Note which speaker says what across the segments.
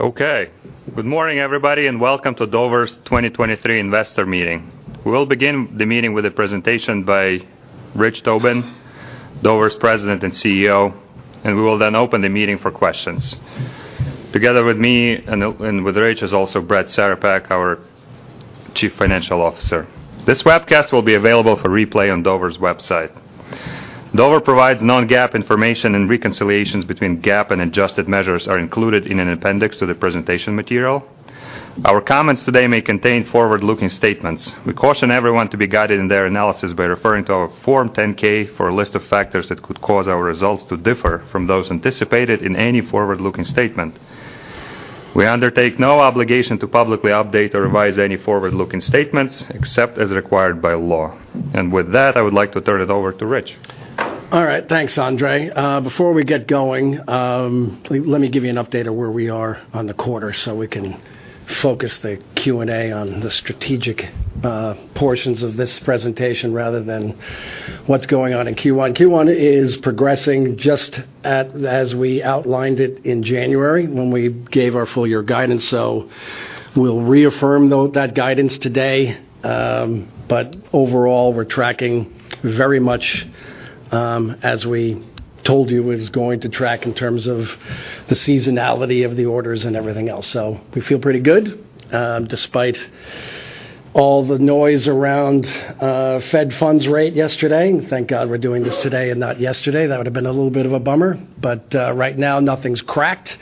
Speaker 1: Okay. Good morning, everybody, and welcome to Dover's 2023 investor meeting. We will begin the meeting with a presentation by Rich Tobin, Dover's President and CEO, and we will then open the meeting for questions. Together with me and with Rich is also Brad Cerepak, our Chief Financial Officer. This webcast will be available for replay on Dover's website. Dover provides non-GAAP information and reconciliations between GAAP and adjusted measures are included in an appendix to the presentation material. Our comments today may contain forward-looking statements. We caution everyone to be guided in their analysis by referring to our Form 10-K for a list of factors that could cause our results to differ from those anticipated in any forward-looking statement. We undertake no obligation to publicly update or revise any forward-looking statements except as required by law. With that, I would like to turn it over to Rich.
Speaker 2: All right. Thanks, Andrey. Before we get going, let me give you an update of where we are on the quarter so we can focus the Q&A on the strategic portions of this presentation rather than what's going on in Q1. Q1 is progressing just as we outlined it in January when we gave our full year guidance. We'll reaffirm that guidance today. Overall, we're tracking very much as we told you it was going to track in terms of the seasonality of the orders and everything else. We feel pretty good despite all the noise around Fed funds rate yesterday. Thank God we're doing this today and not yesterday. That would've been a little bit of a bummer, but right now nothing's cracked.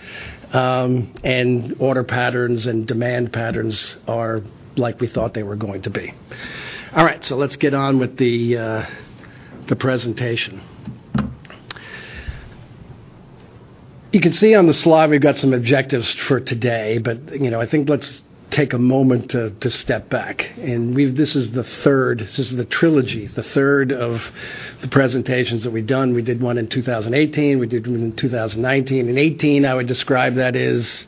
Speaker 2: Order patterns and demand patterns are like we thought they were going to be. All right, let's get on with the presentation. You can see on the slide we've got some objectives for today, but, you know, I think let's take a moment to step back. This is the third, this is the trilogy, the third of the presentations that we've done. We did one in 2018, we did one in 2019. In 2018, I would describe that as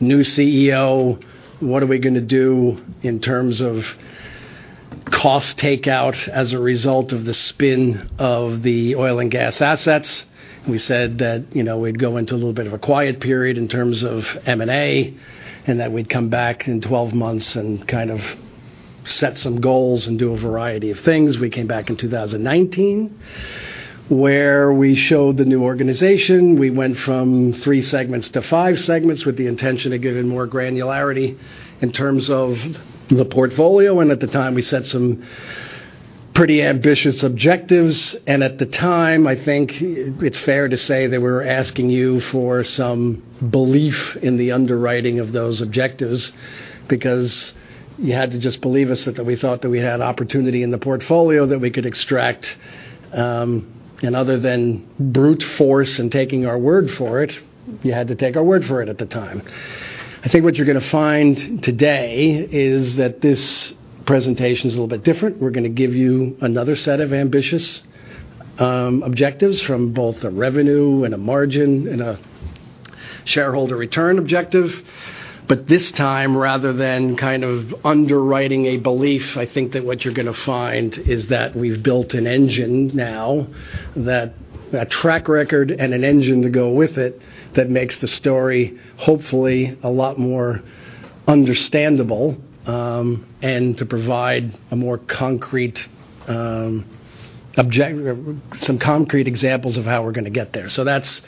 Speaker 2: new CEO, what are we gonna do in terms of cost takeout as a result of the spin of the oil and gas assets? We said that, you know, we'd go into a little bit of a quiet period in terms of M&A, and that we'd come back in 12 months and kind of set some goals and do a variety of things. We came back in 2019, where we showed the new organization. We went from three segments to five segments with the intention of giving more granularity in terms of the portfolio. At the time, we set some pretty ambitious objectives. At the time, I think it's fair to say that we're asking you for some belief in the underwriting of those objectives because you had to just believe us that we thought that we had opportunity in the portfolio that we could extract, other than brute force and taking our word for it, you had to take our word for it at the time. I think what you're gonna find today is that this presentation is a little bit different. We're gonna give you another set of ambitious objectives from both a revenue and a margin and a shareholder return objective. This time, rather than kind of underwriting a belief, I think that what you're gonna find is that we've built an engine now that a track record and an engine to go with it that makes the story hopefully a lot more understandable, and to provide a more concrete, some concrete examples of how we're gonna get there. That's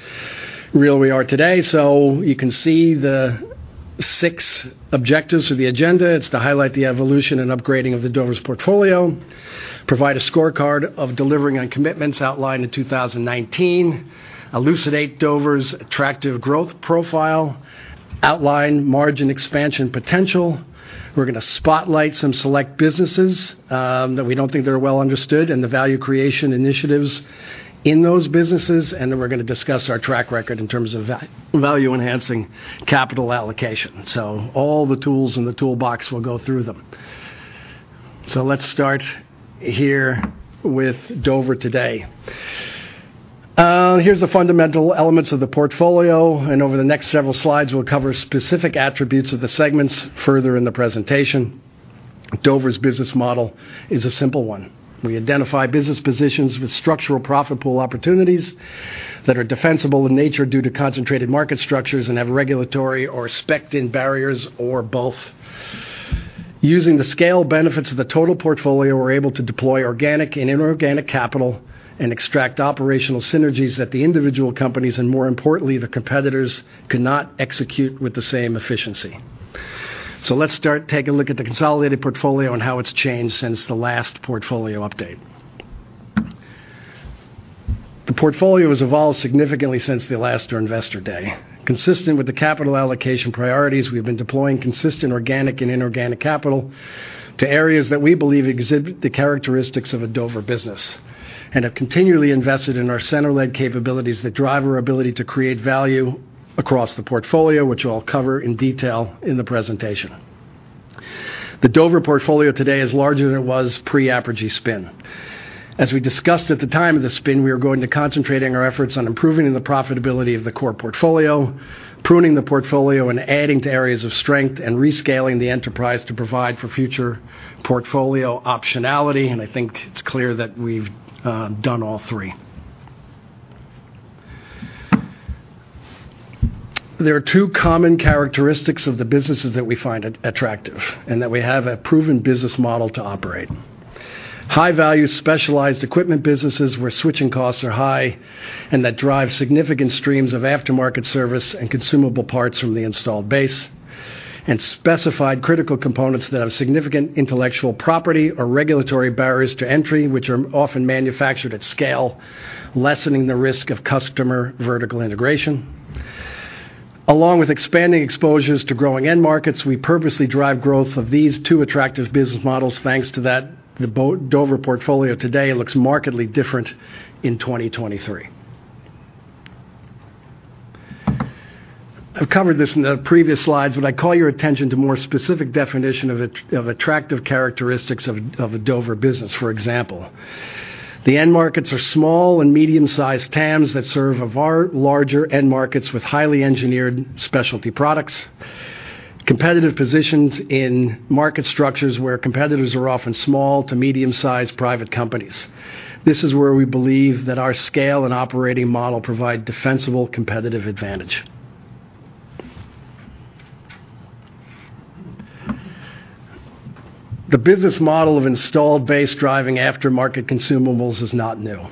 Speaker 2: where we are today. You can see the six objectives of the agenda. It's to highlight the evolution and upgrading of the Dover's portfolio, provide a scorecard of delivering on commitments outlined in 2019, elucidate Dover's attractive growth profile, outline margin expansion potential. We're gonna spotlight some select businesses, that we don't think they're well understood and the value creation initiatives in those businesses, and then we're gonna discuss our track record in terms of value-enhancing capital allocation. All the tools in the toolbox will go through them. Let's start here with Dover today. Here's the fundamental elements of the portfolio, and over the next several slides, we'll cover specific attributes of the segments further in the presentation. Dover's business model is a simple one. We identify business positions with structural profit pool opportunities that are defensible in nature due to concentrated market structures and have regulatory or spec-in barriers or both. Using the scale benefits of the total portfolio, we're able to deploy organic and inorganic capital and extract operational synergies at the individual companies, and more importantly, the competitors cannot execute with the same efficiency. Let's take a look at the consolidated portfolio and how it's changed since the last portfolio update. The portfolio has evolved significantly since our investor day. Consistent with the capital allocation priorities, we've been deploying consistent organic and inorganic capital to areas that we believe exhibit the characteristics of a Dover business and have continually invested in our center-led capabilities that drive our ability to create value across the portfolio, which I'll cover in detail in the presentation. The Dover portfolio today is larger than it was pre-Apergy spin. As we discussed at the time of the spin, we are going to concentrating our efforts on improving the profitability of the core portfolio, pruning the portfolio and adding to areas of strength and rescaling the enterprise to provide for future portfolio optionality, and I think it's clear that we've done all three. There are two common characteristics of the businesses that we find attractive, that we have a proven business model to operate. High-value specialized equipment businesses where switching costs are high and that drive significant streams of aftermarket service and consumable parts from the installed base, and specified critical components that have significant intellectual property or regulatory barriers to entry, which are often manufactured at scale, lessening the risk of customer vertical integration. Along with expanding exposures to growing end markets, we purposely drive growth of these two attractive business models. Thanks to that, the Dover portfolio today looks markedly different in 2023. I've covered this in the previous slides, but I call your attention to more specific definition of attractive characteristics of a Dover business, for example. The end markets are small and medium-sized TAMs that serve a larger end markets with highly engineered specialty products, competitive positions in market structures where competitors are often small to medium-sized private companies. This is where we believe that our scale and operating model provide defensible competitive advantage. The business model of installed base driving aftermarket consumables is not new,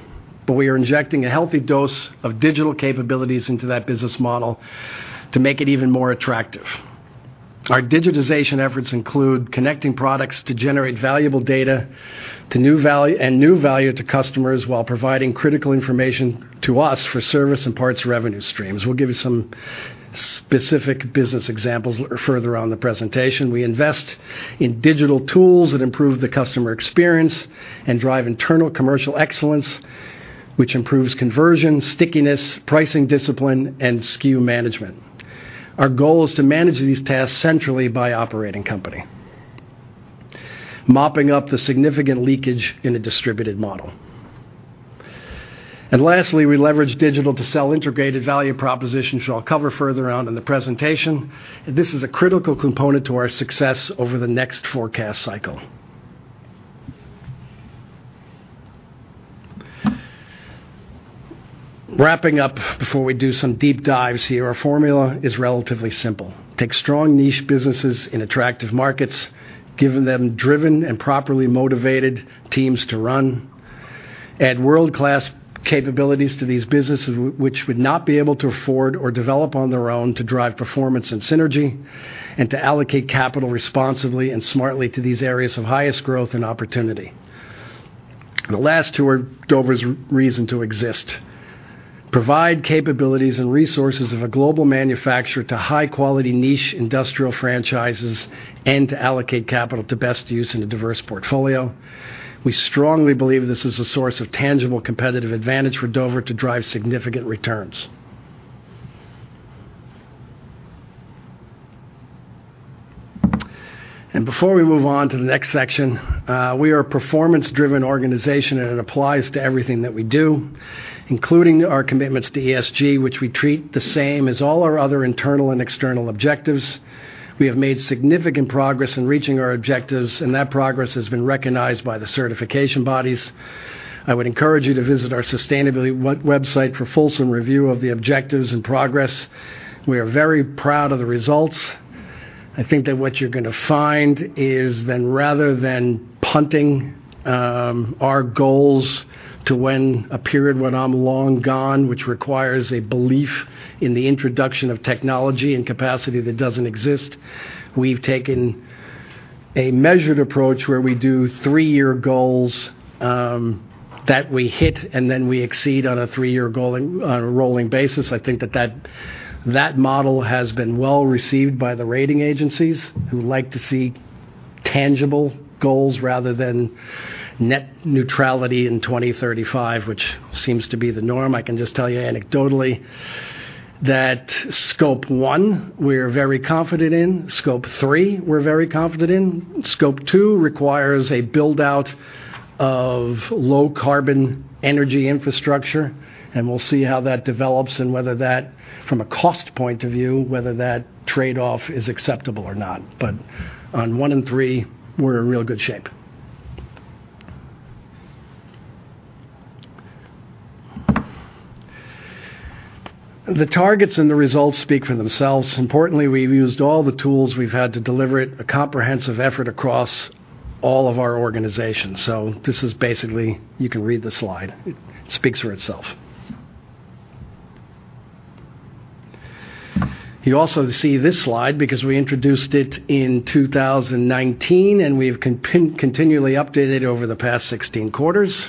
Speaker 2: but we are injecting a healthy dose of digital capabilities into that business model to make it even more attractive. Our digitization efforts include connecting products to generate valuable data to new value, and new value to customers while providing critical information to us for service and parts revenue streams. We'll give you some specific business examples further on in the presentation. We invest in digital tools that improve the customer experience and drive internal commercial excellence, which improves conversion, stickiness, pricing discipline, and SKU management. Our goal is to manage these tasks centrally by operating company, mopping up the significant leakage in a distributed model. Lastly, we leverage digital to sell integrated value propositions, which I'll cover further on in the presentation. This is a critical component to our success over the next forecast cycle. Wrapping up before we do some deep dives here. Our formula is relatively simple. Take strong niche businesses in attractive markets, giving them driven and properly motivated teams to run, add world-class capabilities to these businesses which would not be able to afford or develop on their own to drive performance and synergy, to allocate capital responsibly and smartly to these areas of highest growth and opportunity. The last two are Dover's reason to exist. Provide capabilities and resources of a global manufacturer to high-quality niche industrial franchises, to allocate capital to best use in a diverse portfolio. We strongly believe this is a source of tangible competitive advantage for Dover to drive significant returns. Before we move on to the next section, we are a performance-driven organization, and it applies to everything that we do, including our commitments to ESG, which we treat the same as all our other internal and external objectives. We have made significant progress in reaching our objectives. That progress has been recognized by the certification bodies. I would encourage you to visit our sustainability website for fulsome review of the objectives and progress. We are very proud of the results. I think that what you're going to find is rather than punting our goals to when a period when I'm long gone, which requires a belief in the introduction of technology and capacity that doesn't exist, we've taken a measured approach where we do three-year goals that we hit, and then we exceed on a three-year goaling rolling basis. I think that that model has been well received by the rating agencies who like to see tangible goals rather than net neutrality in 2035, which seems to be the norm. I can just tell you anecdotally that Scope one, we're very confident in, Scope three, we're very confident in. Scope two requires a build-out of low carbon energy infrastructure, and we'll see how that develops and whether that, from a cost point of view, whether that trade-off is acceptable or not. On one and three, we're in real good shape. The targets and the results speak for themselves. Importantly, we've used all the tools we've had to deliver it, a comprehensive effort across all of our organizations. This is basically, you can read the slide. It speaks for itself. You also see this slide because we introduced it in 2019, and we've continually updated over the past 16 quarters.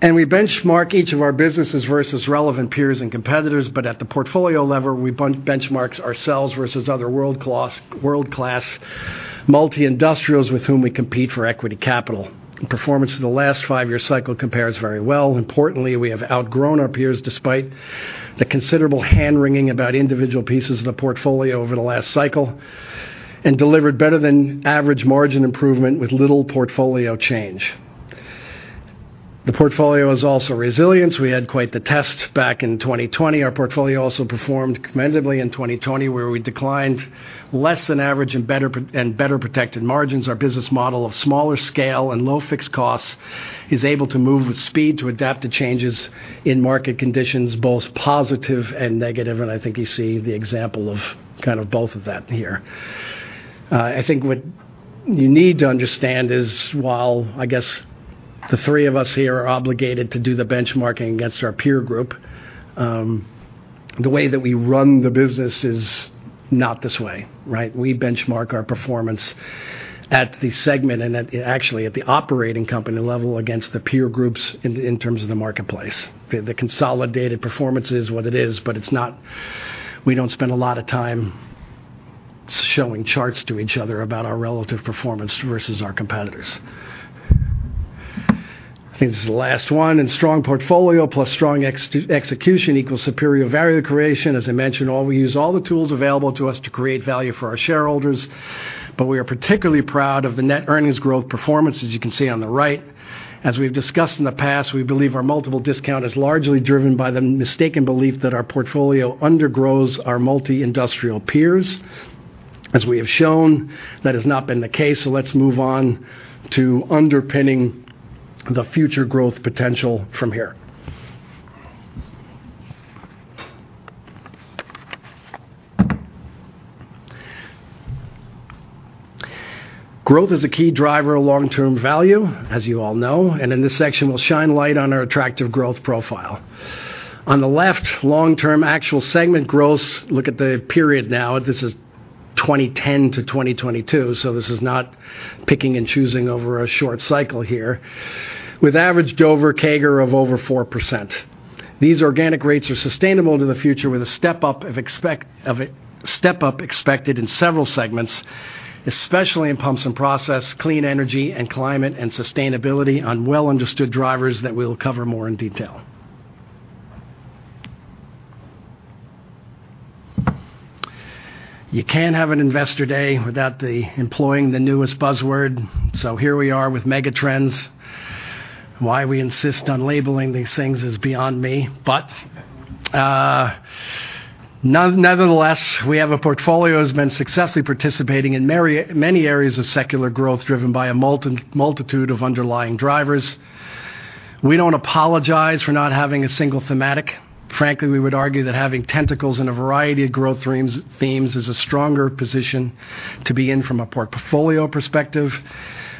Speaker 2: We benchmark each of our businesses versus relevant peers and competitors, but at the portfolio level, we benchmarks ourselves versus other world-class multi-industrials with whom we compete for equity capital. Performance in the last five-year cycle compares very well. Importantly, we have outgrown our peers despite the considerable hand-wringing about individual pieces of the portfolio over the last cycle and delivered better than average margin improvement with little portfolio change. The portfolio is also resilience. We had quite the test back in 2020. Our portfolio also performed commendably in 2020, where we declined less than average and better protected margins. Our business model of smaller scale and low fixed costs is able to move with speed to adapt to changes in market conditions, both positive and negative. I think you see the example of kind of both of that here. I think what you need to understand is while, I guess, the three of us here are obligated to do the benchmarking against our peer group, the way that we run the business is not this way, right? We benchmark our performance at the segment and actually at the operating company level against the peer groups in terms of the marketplace. The consolidated performance is what it is, but it's not. We don't spend a lot of time showing charts to each other about our relative performance versus our competitors. Strong portfolio plus strong ex-execution equals superior value creation. As I mentioned, all we use, all the tools available to us to create value for our shareholders, but we are particularly proud of the net earnings growth performance, as you can see on the right. As we've discussed in the past, we believe our multiple discount is largely driven by the mistaken belief that our portfolio undergrows our multi-industrial peers. As we have shown, that has not been the case. Let's move on to underpinning the future growth potential from here. Growth is a key driver of long-term value, as you all know, and in this section, we'll shine light on our attractive growth profile. On the left, long-term actual segment growth. Look at the period now. This is 2010 to 2022, so this is not picking and choosing over a short cycle here. With averaged over CAGR of over 4%. These organic rates are sustainable into the future with a step up of a step up expected in several segments, especially in pumps and process, clean energy and climate and sustainability on well-understood drivers that we'll cover more in detail. You can't have an investor day without the employing the newest buzzword. Here we are with megatrends. Why we insist on labeling these things is beyond me. Nevertheless, we have a portfolio that's been successfully participating in many areas of secular growth, driven by a multitude of underlying drivers. We don't apologize for not having a single thematic. Frankly, we would argue that having tentacles in a variety of growth themes is a stronger position to be in from a portfolio perspective.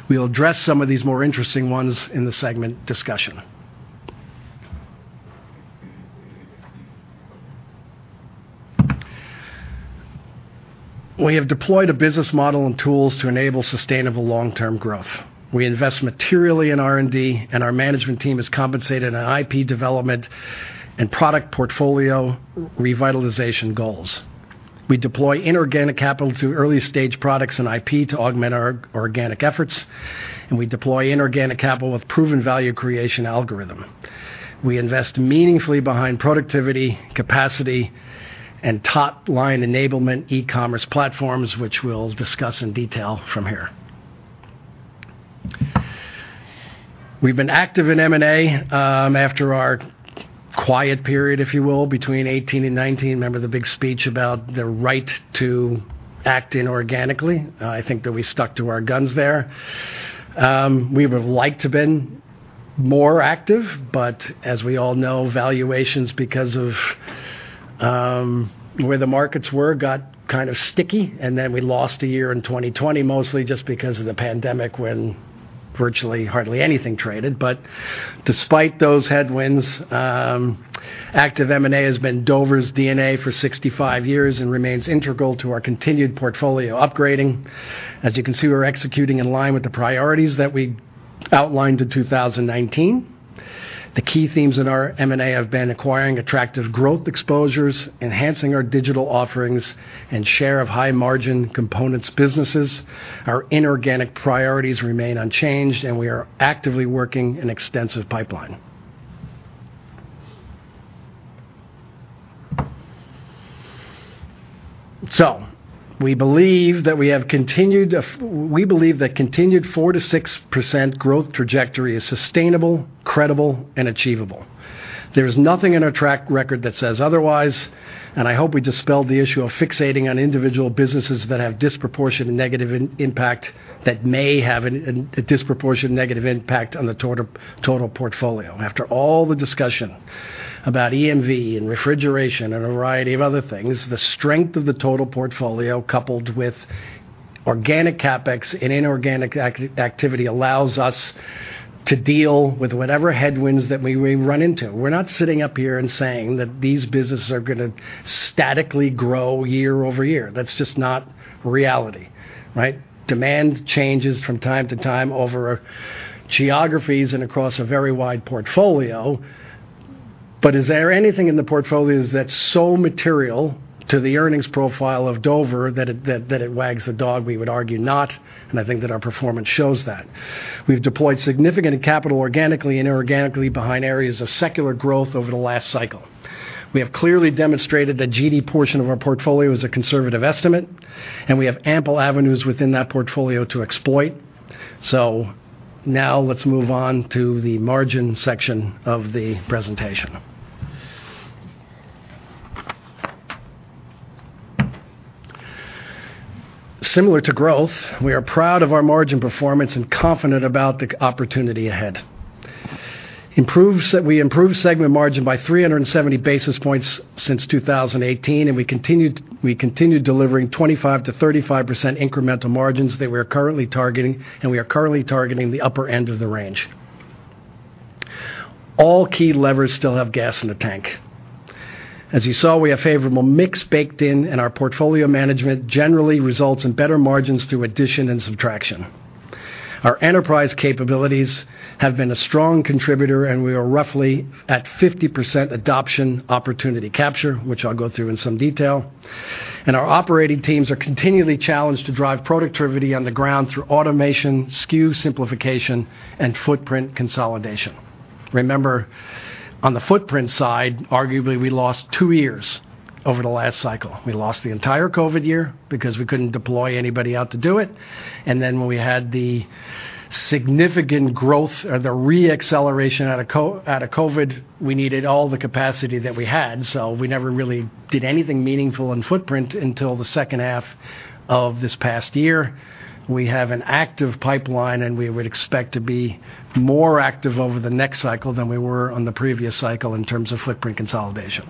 Speaker 2: We'll address some of these more interesting ones in the segment discussion. We have deployed a business model and tools to enable sustainable long-term growth. We invest materially in R&D, and our management team is compensated on IP development and product portfolio revitalization goals. We deploy inorganic capital to early-stage products and IP to augment our organic efforts, and we deploy inorganic capital with proven value creation algorithm. We invest meaningfully behind productivity, capacity, and top-line enablement e-commerce platforms, which we'll discuss in detail from here. We've been active in M&A, after our quiet period, if you will, between 18 and 19. Remember the big speech about the right to act inorganically? I think that we stuck to our guns there. We would like to been more active, but as we all know, valuations, because of where the markets were, got kind of sticky. We lost a year in 2020, mostly just because of the pandemic, when virtually hardly anything traded. Despite those headwinds, active M&A has been Dover's DNA for 65 years and remains integral to our continued portfolio upgrading. As you can see, we're executing in line with the priorities that we outlined in 2019. The key themes in our M&A have been acquiring attractive growth exposures, enhancing our digital offerings, and share of high-margin components businesses. Our inorganic priorities remain unchanged, and we are actively working an extensive pipeline. We believe that continued 4%-6% growth trajectory is sustainable, credible, and achievable. There is nothing in our track record that says otherwise. I hope we dispel the issue of fixating on individual businesses that have disproportionate negative impact, that may have a disproportionate negative impact on the total portfolio. After all the discussion about EMV and refrigeration and a variety of other things, the strength of the total portfolio, coupled with organic CapEx and inorganic activity, allows us to deal with whatever headwinds that we run into. We're not sitting up here and saying that these businesses are gonna statically grow year-over-year. That's just not reality, right? Demand changes from time to time over geographies and across a very wide portfolio. Is there anything in the portfolios that's so material to the earnings profile of Dover that it wags the dog? We would argue not. I think that our performance shows that. We've deployed significant capital organically and inorganically behind areas of secular growth over the last cycle. We have clearly demonstrated that GD portion of our portfolio is a conservative estimate. We have ample avenues within that portfolio to exploit. Now let's move on to the margin section of the presentation. Similar to growth, we are proud of our margin performance and confident about the opportunity ahead. We improved segment margin by 370 basis points since 2018, we continue delivering 25%-35% incremental margins that we're currently targeting, and we are currently targeting the upper end of the range. All key levers still have gas in the tank. As you saw, we have favorable mix baked in, and our portfolio management generally results in better margins through addition and subtraction. Our enterprise capabilities have been a strong contributor, and we are roughly at 50% adoption opportunity capture, which I'll go through in some detail. Our operating teams are continually challenged to drive productivity on the ground through automation, SKU simplification, and footprint consolidation. Remember, on the footprint side, arguably, we lost two years over the last cycle. We lost the entire COVID year because we couldn't deploy anybody out to do it. When we had the significant growth or the re-acceleration out of COVID, we needed all the capacity that we had, so we never really did anything meaningful in footprint until the second half of this past year. We have an active pipeline, and we would expect to be more active over the next cycle than we were on the previous cycle in terms of footprint consolidation.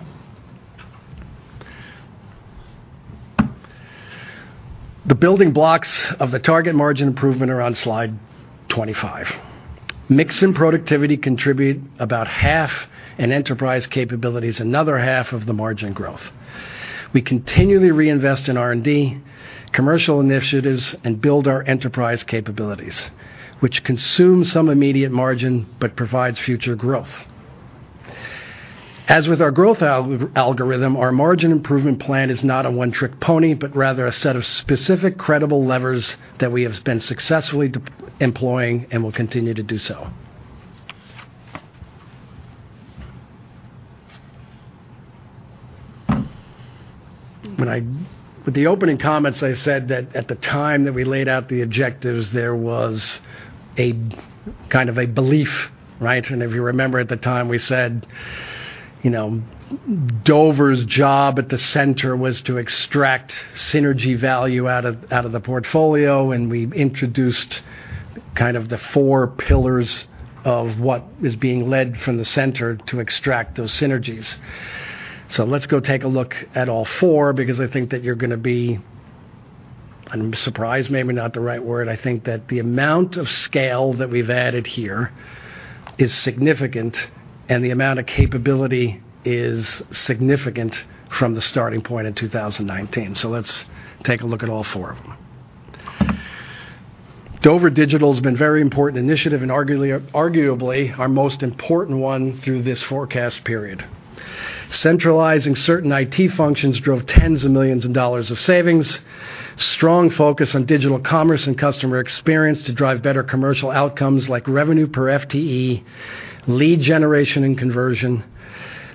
Speaker 2: The building blocks of the target margin improvement are on slide 25. Mix and productivity contribute about half an enterprise capabilities, another half of the margin growth. We continually reinvest in R&D, commercial initiatives, and build our enterprise capabilities, which consume some immediate margin but provides future growth. As with our growth algorithm, our margin improvement plan is not a one-trick pony, but rather a set of specific credible levers that we have been successfully employing and will continue to do so. With the opening comments, I said that at the time that we laid out the objectives, there was a kind of a belief, right? If you remember at the time, we said, you know, Dover's job at the center was to extract synergy value out of the portfolio, and we introduced kind of the four pillars of what is being led from the center to extract those synergies. Let's go take a look at all four because I think that you're gonna be surprised may be not the right word. I think that the amount of scale that we've added here is significant, and the amount of capability is significant from the starting point in 2019. Let's take a look at all four of them. Dover Digital has been very important initiative and arguably our most important one through this forecast period. Centralizing certain IT functions drove tens of millions of dollars of savings. Strong focus on digital commerce and customer experience to drive better commercial outcomes like revenue per FTE, lead generation, and conversion.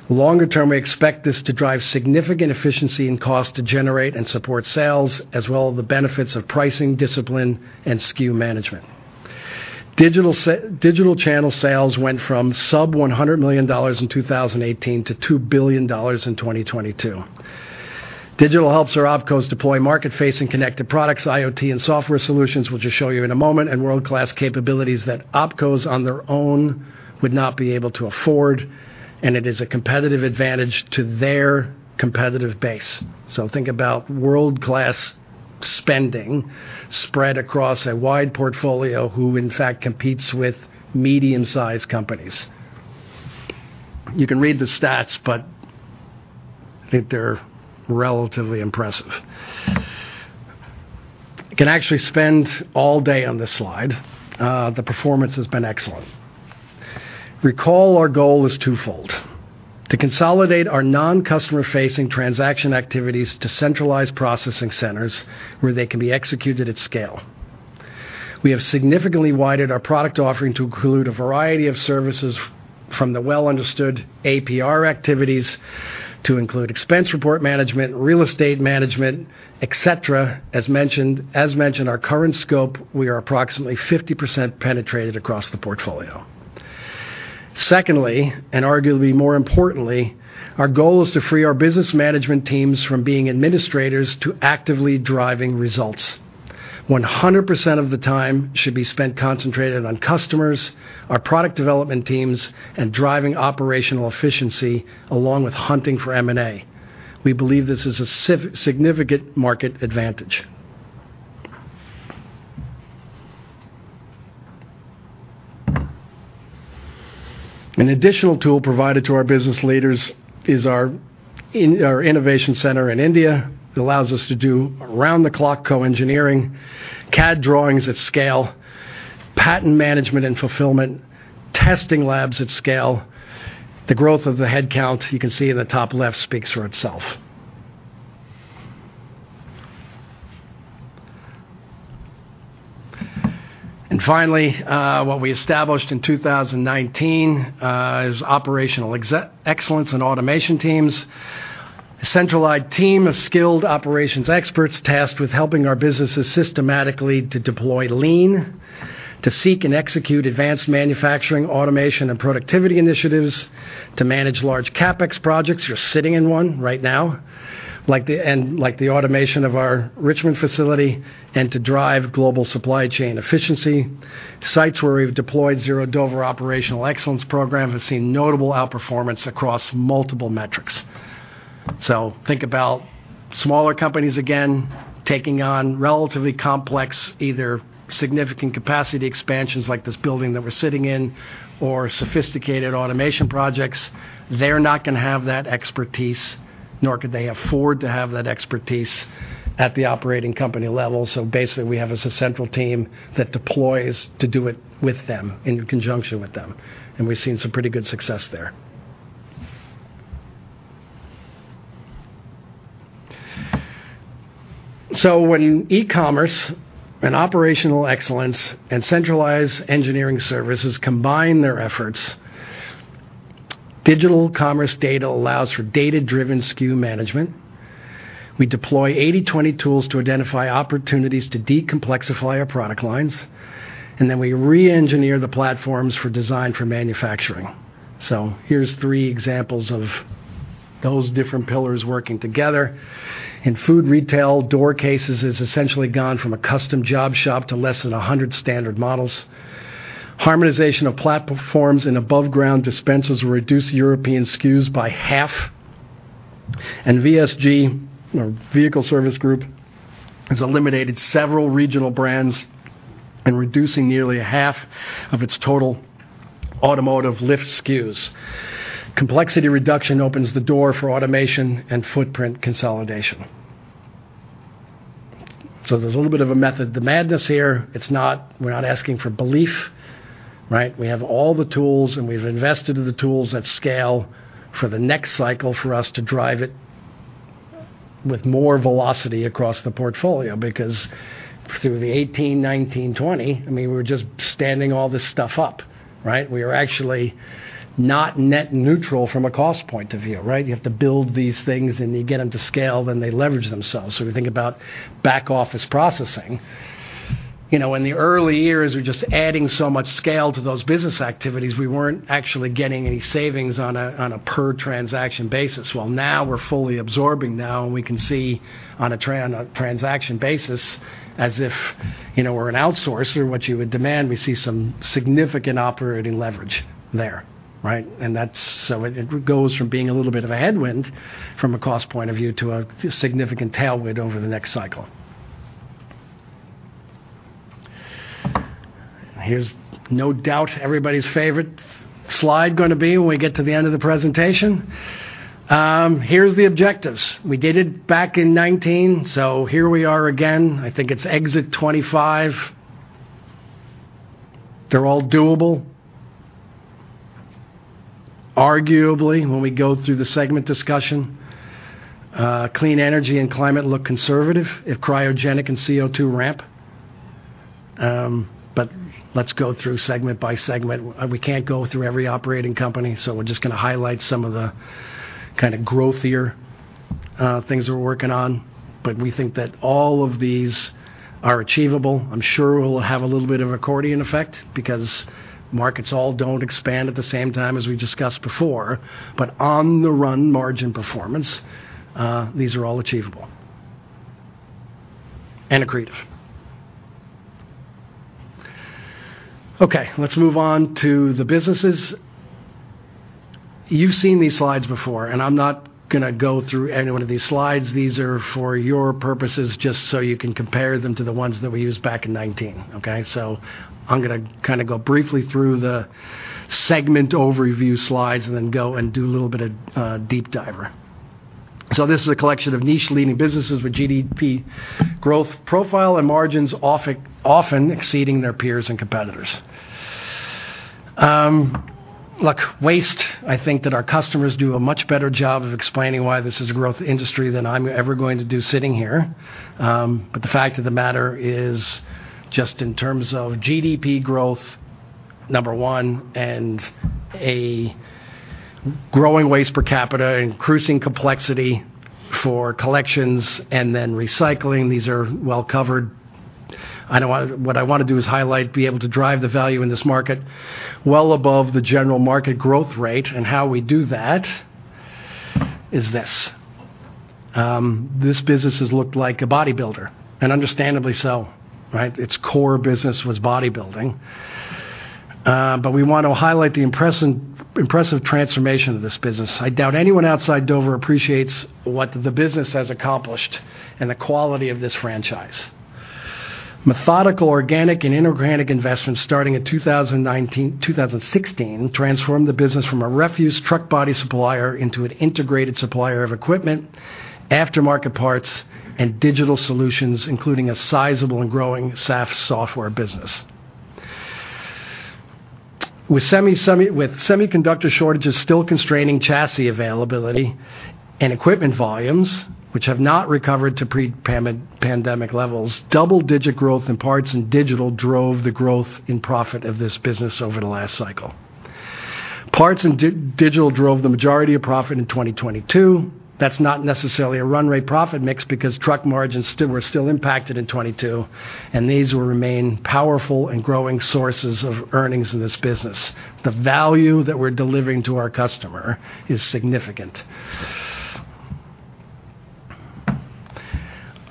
Speaker 2: Longer term, we expect this to drive significant efficiency and cost to generate and support sales, as well the benefits of pricing, discipline, and SKU management. Digital channel sales went from sub $100 million in 2018 to $2 billion in 2022. Digital helps our opcos deploy market-facing connected products, IoT, and software solutions, which I'll show you in a moment, and world-class capabilities that opcos on their own would not be able to afford, and it is a competitive advantage to their competitive base. Think about world-class spending spread across a wide portfolio who in fact competes with medium-sized companies. You can read the stats, I think they're relatively impressive. You can actually spend all day on this slide. The performance has been excellent. Recall our goal is twofold: to consolidate our non-customer-facing transaction activities to centralize processing centers where they can be executed at scale. We have significantly widened our product offering to include a variety of services from the well-understood APR activities to include expense report management, real estate management, et cetera. As mentioned, our current scope, we are approximately 50% penetrated across the portfolio. Secondly, and arguably more importantly, our goal is to free our business management teams from being administrators to actively driving results. 100% of the time should be spent concentrated on customers, our product development teams, and driving operational efficiency along with hunting for M&A. We believe this is a significant market advantage. An additional tool provided to our business leaders is our innovation center in India. It allows us to do around-the-clock co-engineering, CAD drawings at scale, patent management and fulfillment, testing labs at scale. The growth of the headcount, you can see in the top left, speaks for itself. Finally, what we established in 2019, is operational excellence and automation teams. A centralized team of skilled operations experts tasked with helping our businesses systematically to deploy lean, to seek and execute advanced manufacturing, automation, and productivity initiatives, to manage large CapEx projects. You're sitting in one right now, like the automation of our Richmond facility and to drive global supply chain efficiency. Sites where we've deployed zero Dover operational excellence program have seen notable outperformance across multiple metrics. Think about smaller companies, again, taking on relatively complex, either significant capacity expansions like this building that we're sitting in, or sophisticated automation projects. They're not gonna have that expertise, nor could they afford to have that expertise at the operating company level. Basically, we have as a central team that deploys to do it with them in conjunction with them, and we've seen some pretty good success there. When e-commerce and operational excellence and centralized engineering services combine their efforts, digital commerce data allows for data-driven SKU management. We deploy 80/20 tools to identify opportunities to decomplexify our product lines, and then we re-engineer the platforms for design for manufacturing. Here's three examples of those different pillars working together. In food retail, door cases has essentially gone from a custom job shop to less than 100 standard models. Harmonization of platforms and aboveground dispensers will reduce European SKUs by half. VSG, you know, Vehicle Service Group, has eliminated several regional brands and reducing nearly half of its total automotive lift SKUs. Complexity reduction opens the door for automation and footprint consolidation. There's a little bit of a method. The madness here, we're not asking for belief, right? We have all the tools, and we've invested in the tools at scale for the next cycle for us to drive it with more velocity across the portfolio. Through the 2018, 2019, 2020, I mean, we're just standing all this stuff up, right? We are actually not net neutral from a cost point of view, right? You have to build these things, and you get them to scale, then they leverage themselves. We think about back-office processing. You know, in the early years, we're just adding so much scale to those business activities. We weren't actually getting any savings on a per transaction basis. Well, now we're fully absorbing now, we can see on a transaction basis as if, you know, we're an outsourcer, what you would demand, we see some significant operating leverage there, right? That's so it goes from being a little bit of a headwind from a cost point of view to a significant tailwind over the next cycle. Here's no doubt everybody's favorite slide gonna be when we get to the end of the presentation. Here's the objectives. We did it back in 2019, here we are again. I think it's exit 2025. They're all doable. Arguably, when we go through the segment discussion, clean energy and climate look conservative if cryogenic and CO2 ramp. Let's go through segment by segment. We can't go through every operating company, we're just gonna highlight some of the kinda growthier things we're working on. We think that all of these are achievable. I'm sure we'll have a little bit of accordion effect because markets all don't expand at the same time as we discussed before. On the run margin performance, these are all achievable and accretive. Okay, let's move on to the businesses. You've seen these slides before, and I'm not gonna go through any one of these slides. These are for your purposes, just so you can compare them to the ones that we used back in 19, okay? I'm gonna kinda go briefly through the segment overview slides and then go and do a little bit of deep dive. This is a collection of niche-leading businesses with GDP growth profile and margins often exceeding their peers and competitors. Look, waste, I think that our customers do a much better job of explaining why this is a growth industry than I'm ever going to do sitting here. The fact of the matter is just in terms of GDP growth, number one, and a growing waste per capita, increasing complexity for collections, and then recycling, these are well-covered. I know what I wanna do is highlight, be able to drive the value in this market well above the general market growth rate, and how we do that is this. This business has looked like a bodybuilder, and understandably so, right? Its core business was bodybuilding. We want to highlight the impressive transformation of this business. I doubt anyone outside Dover appreciates what the business has accomplished and the quality of this franchise. Methodical, organic, and inorganic investments starting in 2016 transformed the business from a refuse truck body supplier into an integrated supplier of equipment, aftermarket parts, and digital solutions, including a sizable and growing SAF software business. With semiconductor shortages still constraining chassis availability and equipment volumes, which have not recovered to pre-pandemic levels, double-digit growth in parts and digital drove the growth in profit of this business over the last cycle. Parts and digital drove the majority of profit in 2022. That's not necessarily a run rate profit mix because truck margins were still impacted in 2022. These will remain powerful and growing sources of earnings in this business. The value that we're delivering to our customer is significant.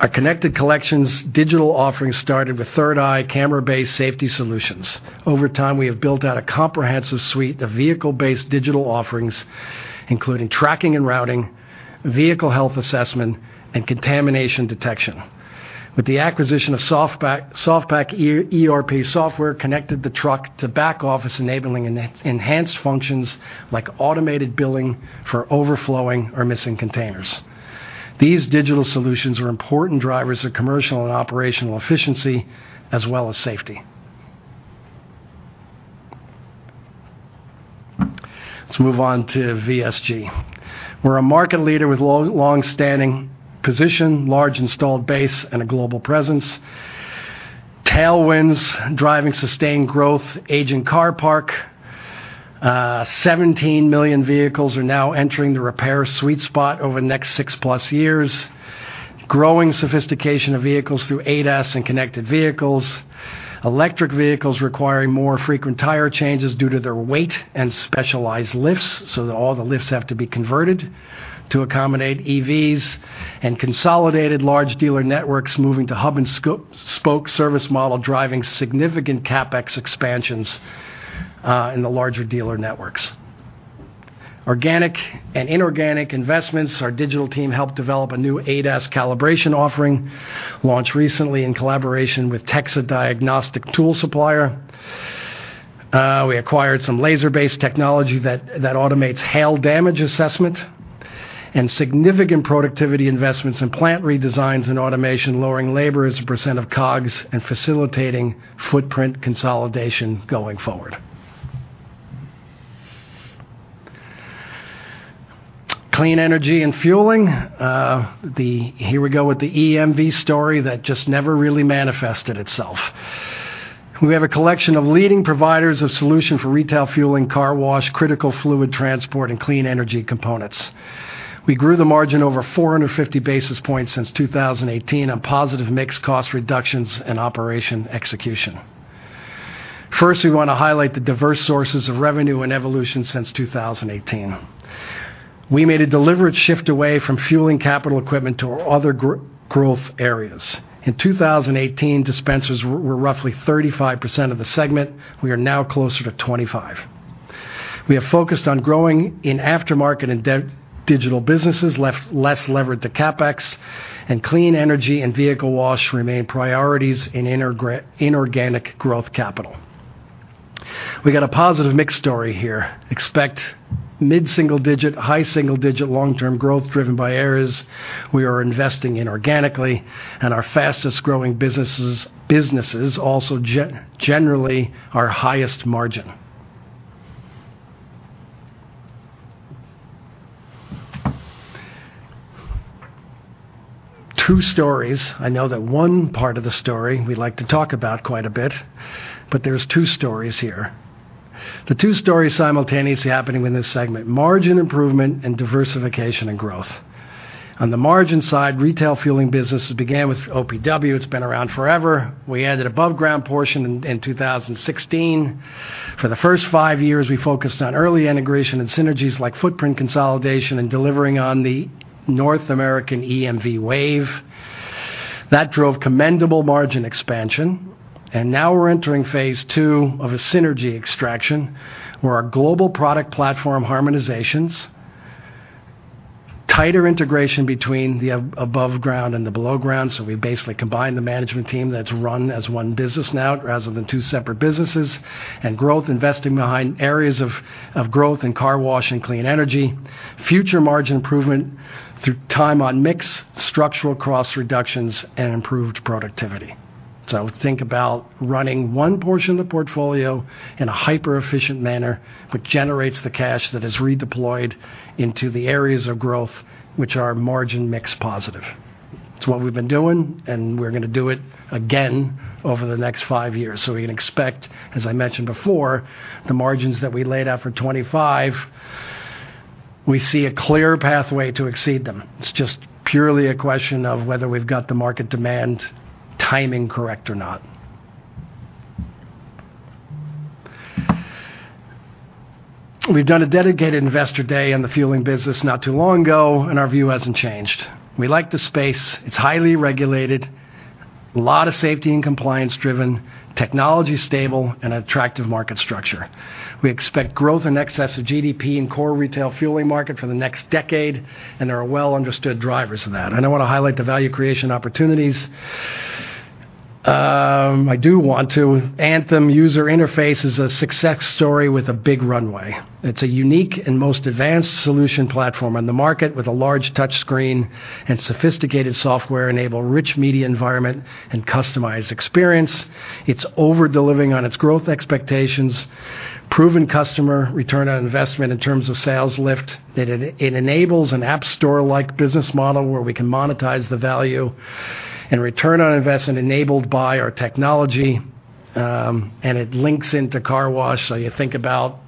Speaker 2: Our Connected Collections digital offering started with 3rd Eye camera-based safety solutions. Over time, we have built out a comprehensive suite of vehicle-based digital offerings, including tracking and routing, vehicle health assessment, and contamination detection. With the acquisition of Soft-Pak ERP software connected the truck to back office, enabling enhanced functions like automated billing for overflowing or missing containers. These digital solutions are important drivers of commercial and operational efficiency as well as safety. Let's move on to VSG. We're a market leader with long-standing position, large installed base, and a global presence. Tailwinds driving sustained growth, aging car park. 17 million vehicles are now entering the repair sweet spot over the next six plus years. Growing sophistication of vehicles through ADAS and connected vehicles. Electric vehicles requiring more frequent tire changes due to their weight and specialized lifts, so that all the lifts have to be converted to accommodate EVs. Consolidated large dealer networks moving to hub and spoke service model, driving significant CapEx expansions in the larger dealer networks. Organic and inorganic investments. Our digital team helped develop a new ADAS calibration offering, launched recently in collaboration with TEXA Diagnostic tool supplier. We acquired some laser-based technology that automates hail damage assessment and significant productivity investments in plant redesigns and automation, lowering labor as a % of COGS and facilitating footprint consolidation going forward. Clean energy and fueling. Here we go with the EMV story that just never really manifested itself. We have a collection of leading providers of solutions for retail fueling, car wash, critical fluid transport, and clean energy components. We grew the margin over 450 basis points since 2018 on positive mix cost reductions and operation execution. We wanna highlight the diverse sources of revenue and evolution since 2018. We made a deliberate shift away from fueling capital equipment to our other growth areas. In 2018, dispensers were roughly 35% of the segment. We are now closer to 25%. We have focused on growing in aftermarket and digital businesses less levered to CapEx, and clean energy and vehicle wash remain priorities in inorganic growth capital. We got a positive mix story here. Expect mid-single digit, high single-digit long-term growth driven by areas we are investing in organically and our fastest growing businesses, generally our highest margin. Two stories. I know that one part of the story we like to talk about quite a bit, there's two stories here. The two stories simultaneously happening in this segment, margin improvement and diversification and growth. On the margin side, retail fueling business began with OPW. It's been around forever. We added above ground portion in 2016. For the first five years, we focused on early integration and synergies like footprint consolidation and delivering on the North American EMV wave. That drove commendable margin expansion. Now we're entering phase II of a synergy extraction, where our global product platform harmonizations, tighter integration between the above ground and the below ground. We basically combine the management team that's run as one business now rather than two separate businesses, and growth, investing behind areas of growth in car wash and clean energy. Future margin improvement through time on mix, structural cost reductions, and improved productivity. Think about running one portion of the portfolio in a hyper-efficient manner, which generates the cash that is redeployed into the areas of growth, which are margin mix positive. It's what we've been doing, and we're gonna do it again over the next five years. We can expect, as I mentioned before, the margins that we laid out for 2025, we see a clear pathway to exceed them. It's just purely a question of whether we've got the market demand timing correct or not. We've done a dedicated investor day on the fueling business not too long ago, and our view hasn't changed. We like the space. It's highly regulated, a lot of safety and compliance driven, technology stable and attractive market structure. We expect growth in excess of GDP in core retail fueling market for the next decade, and there are well understood drivers of that. I wanna highlight the value creation opportunities. Anthem user interface is a success story with a big runway. It's a unique and most advanced solution platform on the market with a large touchscreen and sophisticated software enable rich media environment and customized experience. It's over-delivering on its growth expectations. Proven customer return on investment in terms of sales lift, that it enables an app store-like business model where we can monetize the value and return on investment enabled by our technology, and it links into car wash. You think about.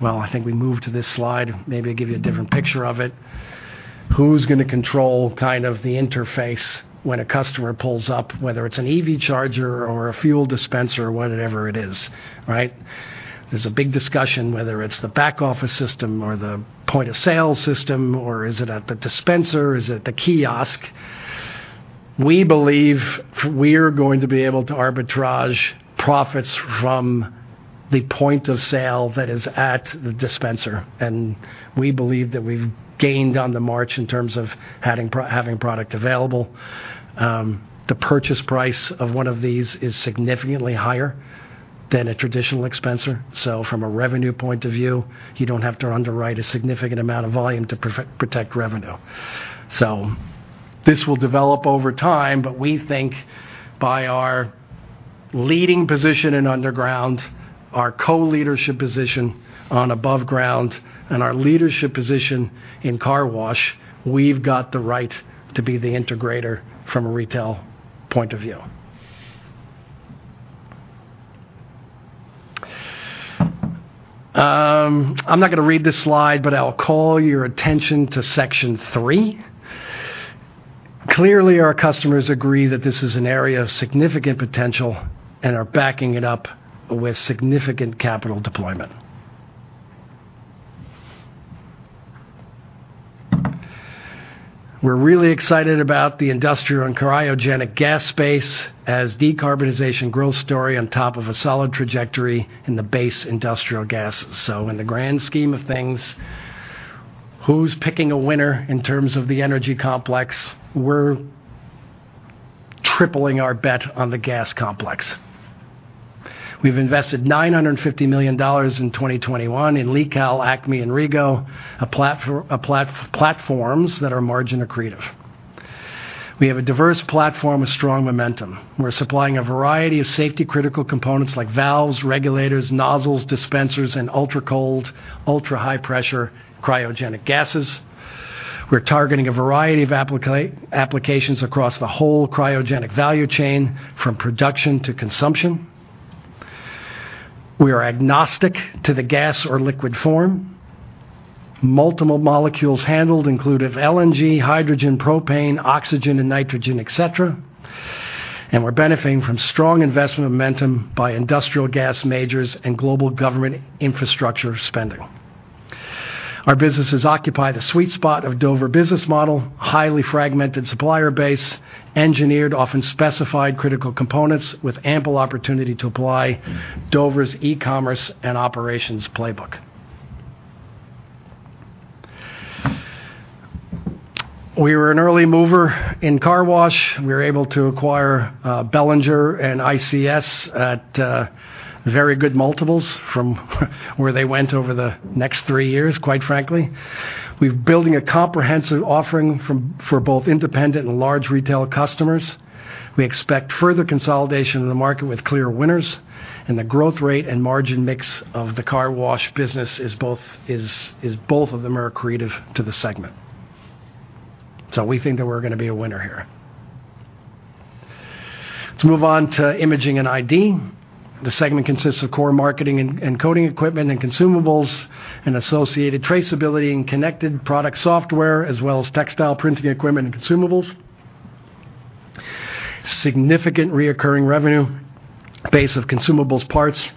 Speaker 2: Well, I think we move to this slide, maybe give you a different picture of it. Who's gonna control kind of the interface when a customer pulls up, whether it's an EV charger or a fuel dispenser, whatever it is, right? There's a big discussion whether it's the back office system or the point of sale system, or is it at the dispenser, is it at the kiosk? We believe we're going to be able to arbitrage profits from the point of sale that is at the dispenser. We believe that we've gained on the march in terms of having product available. The purchase price of one of these is significantly higher than a traditional dispenser. From a revenue point of view, you don't have to underwrite a significant amount of volume to protect revenue. This will develop over time. We think by our leading position in underground, our co-leadership position on above ground and our leadership position in car wash, we've got the right to be the integrator from a retail point of view. I'm not gonna read this slide. I'll call your attention to section three. Clearly, our customers agree that this is an area of significant potential and are backing it up with significant capital deployment. We're really excited about the industrial and cryogenic gas space as decarbonization growth story on top of a solid trajectory in the base industrial gases. In the grand scheme of things, who's picking a winner in terms of the energy complex? We're tripling our bet on the gas complex. We've invested $950 million in 2021 in LIQAL, ACME, and RegO, platforms that are margin accretive. We have a diverse platform with strong momentum. We're supplying a variety of safety critical components like valves, regulators, nozzles, dispensers, and ultra-cold, ultra-high pressure cryogenic gases. We're targeting a variety of applications across the whole cryogenic value chain, from production to consumption. We are agnostic to the gas or liquid form. Multiple molecules handled include of LNG, hydrogen, propane, oxygen and nitrogen, et cetera. We're benefiting from strong investment momentum by industrial gas majors and global government infrastructure spending. Our businesses occupy the sweet spot of Dover business model, highly fragmented supplier base, engineered, often specified critical components with ample opportunity to apply Dover's e-commerce and operations playbook. We were an early mover in car wash. We were able to acquire Belanger and ICS at very good multiples from where they went over the next three years, quite frankly. We're building a comprehensive offering for both independent and large retail customers. We expect further consolidation in the market with clear winners. The growth rate and margin mix of the car wash business is both of them are accretive to the segment. We think that we're gonna be a winner here. Let's move on to imaging and ID. The segment consists of core marketing and coding equipment and consumables and associated traceability and connected product software, as well as textile printing equipment and consumables. Significant recurring revenue base of consumables parts,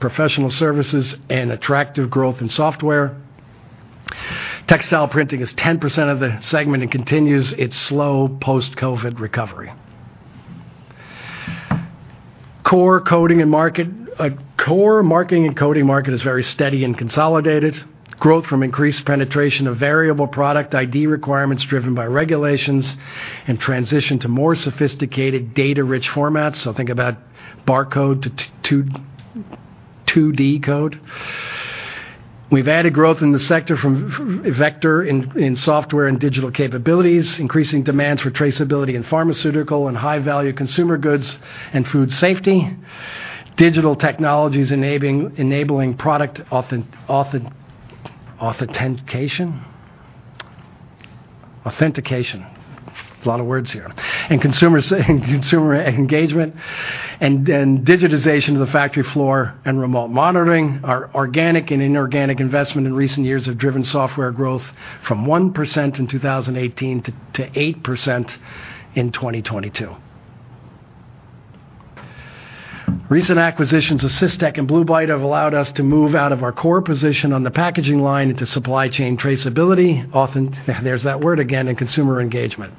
Speaker 2: professional services, and attractive growth in software. Textile printing is 10% of the segment and continues its slow post-COVID recovery. Core marketing and coding market is very steady and consolidated. Growth from increased penetration of variable product ID requirements driven by regulations and transition to more sophisticated data-rich formats. Think about barcode to 2D code. We've added growth in the sector from Vector in software and digital capabilities, increasing demands for traceability in pharmaceutical and high-value consumer goods and food safety. Digital technologies enabling product authentication. Authentication. A lot of words here. Consumer engagement and digitization of the factory floor and remote monitoring. Our organic and inorganic investment in recent years have driven software growth from 1% in 2018 to 8% in 2022. Recent acquisitions of Sys-Tech and Blue Bite have allowed us to move out of our core position on the packaging line into supply chain traceability. There's that word again in consumer engagement.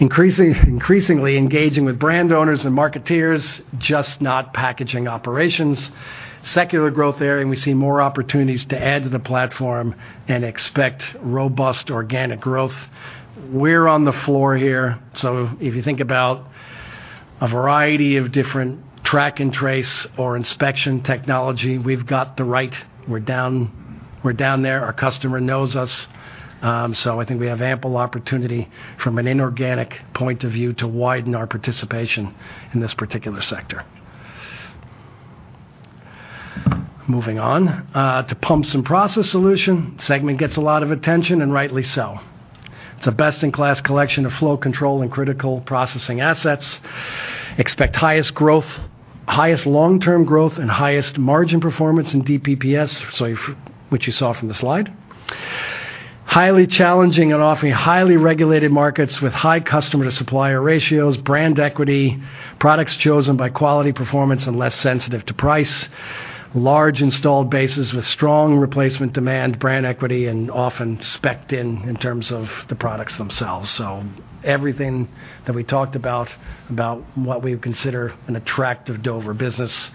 Speaker 2: Increasingly engaging with brand owners and marketers, just not packaging operations. Secular growth area. We see more opportunities to add to the platform and expect robust organic growth. We're on the floor here. If you think about a variety of different track and trace or inspection technology, we've got the right. We're down there. Our customer knows us. I think we have ample opportunity from an inorganic point of view to widen our participation in this particular sector. Moving on to Pumps and Process Solution. Segment gets a lot of attention, rightly so. It's a best-in-class collection of flow control and critical processing assets. Expect highest growth, highest long-term growth, and highest margin performance in DPPS, which you saw from the slide. Highly challenging and often highly regulated markets with high customer-to-supplier ratios, brand equity, products chosen by quality, performance, and less sensitive to price, large installed bases with strong replacement demand, brand equity, and often specced in terms of the products themselves. Everything that we talked about what we would consider an attractive Dover business,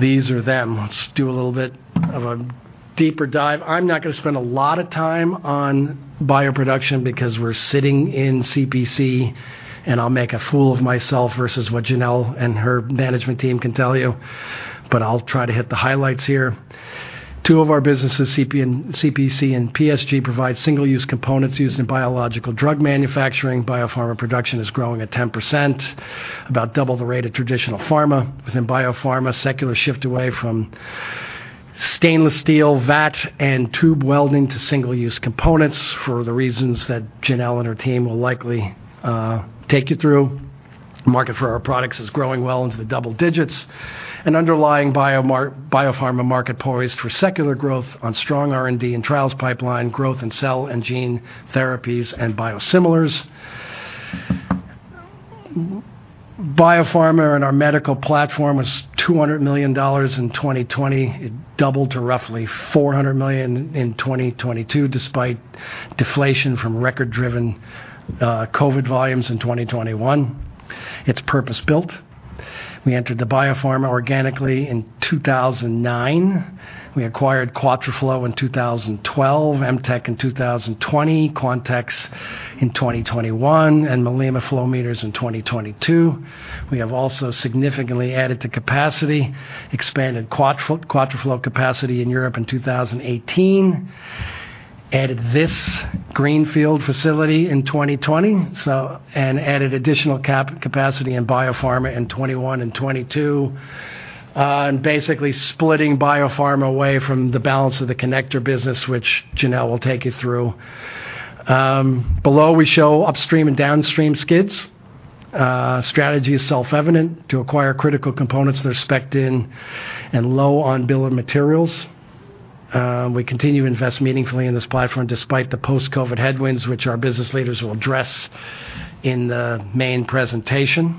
Speaker 2: these are them. Let's do a little bit of a deeper dive. I'm not gonna spend a lot of time on bioproduction because we're sitting in CPC and I'll make a fool of myself versus what Janelle and her management team can tell you, but I'll try to hit the highlights here. Two of our businesses, CPC and PSG, provide single-use components used in biological drug manufacturing. Biopharma production is growing at 10%, about double the rate of traditional pharma. Within biopharma, secular shift away from stainless steel vat and tube welding to single-use components for the reasons that Janelle and her team will likely take you through. Market for our products is growing well into the double digits, and underlying biopharma market poised for secular growth on strong R&D and trials pipeline, growth in cell and gene therapies and biosimilars. Biopharma in our medical platform was $200 million in 2020. It doubled to roughly $400 million in 2022, despite deflation from record-driven COVID volumes in 2021. It's purpose-built. We entered the biopharma organically in 2009. We acquired Quattroflow in 2012, Em-tec in 2020, Quantex in 2021, and Malema Flowmeters in 2022. We have also significantly added to capacity, expanded Quattroflow capacity in Europe in 2018, added this greenfield facility in 2020. And added additional capacity in biopharma in 2021 and 2022. And basically splitting biopharma away from the balance of the connector business, which Janelle will take you through. Below, we show upstream and downstream skids. Strategy is self-evident: to acquire critical components that are specced in and low on bill of materials. We continue to invest meaningfully in this platform despite the post-COVID headwinds, which our business leaders will address in the main presentation.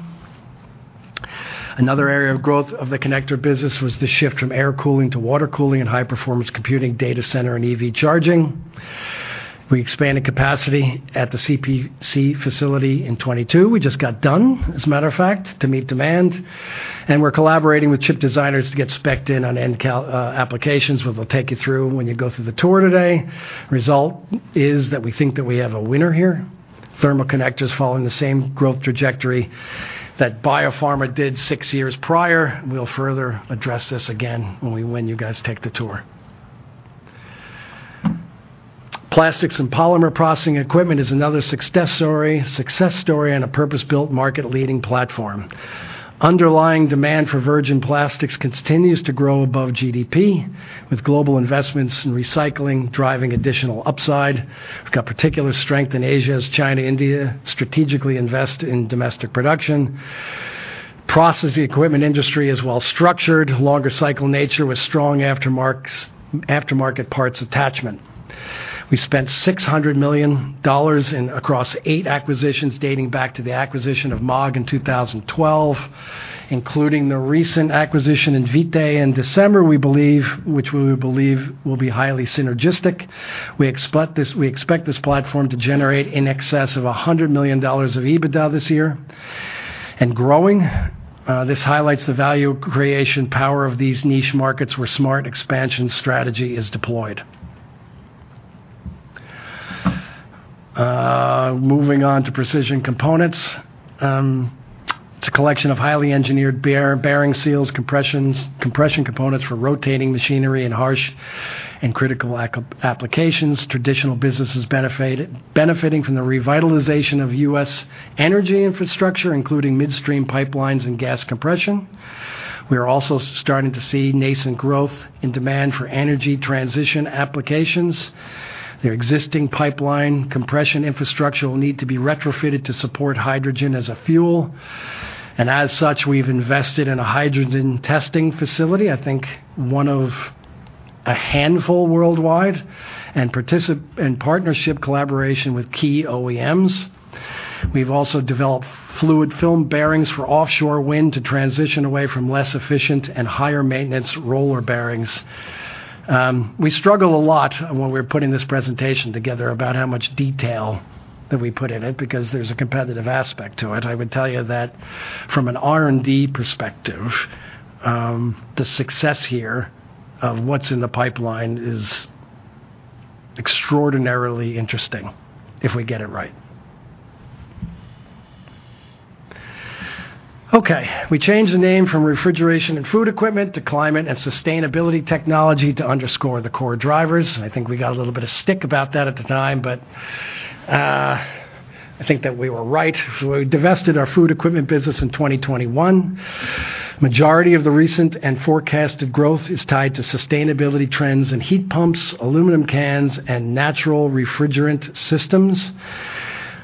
Speaker 2: Another area of growth of the connector business was the shift from air cooling to water cooling and high-performance computing data center and EV charging. We expanded capacity at the CPC facility in 2022. We just got done, as a matter of fact, to meet demand, and we're collaborating with chip designers to get specced in on end applications, which we'll take you through when you go through the tour today. Result is that we think that we have a winner here. Thermal connector's following the same growth trajectory that biopharma did six years prior. We'll further address this again when you guys take the tour. Plastics and polymer processing equipment is another success story and a purpose-built market-leading platform. Underlying demand for virgin plastics continues to grow above GDP, with global investments in recycling driving additional upside. We've got particular strength in Asia as China, India strategically invest in domestic production. Processing equipment industry is well-structured, longer cycle nature with strong aftermarket parts attachment. We spent $600 million in across eight acquisitions dating back to the acquisition of Maag in 2012, including the recent acquisition in Vitae in December, we believe, which we believe will be highly synergistic. We expect this platform to generate in excess of $100 million of EBITDA this year and growing. This highlights the value creation power of these niche markets where smart expansion strategy is deployed. Moving on to precision components. It's a collection of highly engineered bearing seals, compression components for rotating machinery in harsh and critical applications. Traditional businesses benefiting from the revitalization of U.S. energy infrastructure, including midstream pipelines and gas compression. We are also starting to see nascent growth in demand for energy transition applications. Their existing pipeline compression infrastructure will need to be retrofitted to support hydrogen as a fuel, and as such, we've invested in a hydrogen testing facility, I think one of a handful worldwide, and in partnership collaboration with key OEMs. We've also developed fluid film bearings for offshore wind to transition away from less efficient and higher maintenance roller bearings. We struggled a lot when we were putting this presentation together about how much detail that we put in it, because there's a competitive aspect to it. I would tell you that from an R&D perspective, the success here of what's in the pipeline is extraordinarily interesting if we get it right. Okay. We changed the name from Refrigeration and Food Equipment to Climate and Sustainability Technology to underscore the core drivers. I think we got a little bit of stick about that at the time, but I think that we were right. We divested our food equipment business in 2021. Majority of the recent and forecasted growth is tied to sustainability trends and heat pumps, aluminum cans, and natural refrigerant systems.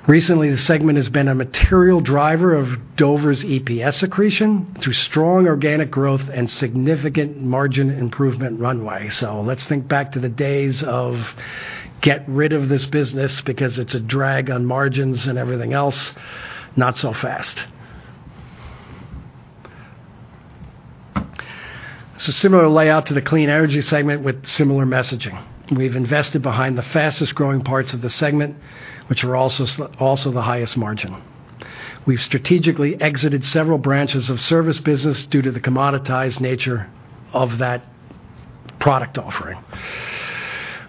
Speaker 2: Recently, the segment has been a material driver of Dover's EPS accretion through strong organic growth and significant margin improvement runway. Let's think back to the days of get rid of this business because it's a drag on margins and everything else. Not so fast. It's a similar layout to the clean energy segment with similar messaging. We've invested behind the fastest-growing parts of the segment, which are also the highest margin. We've strategically exited several branches of service business due to the commoditized nature of that product offering.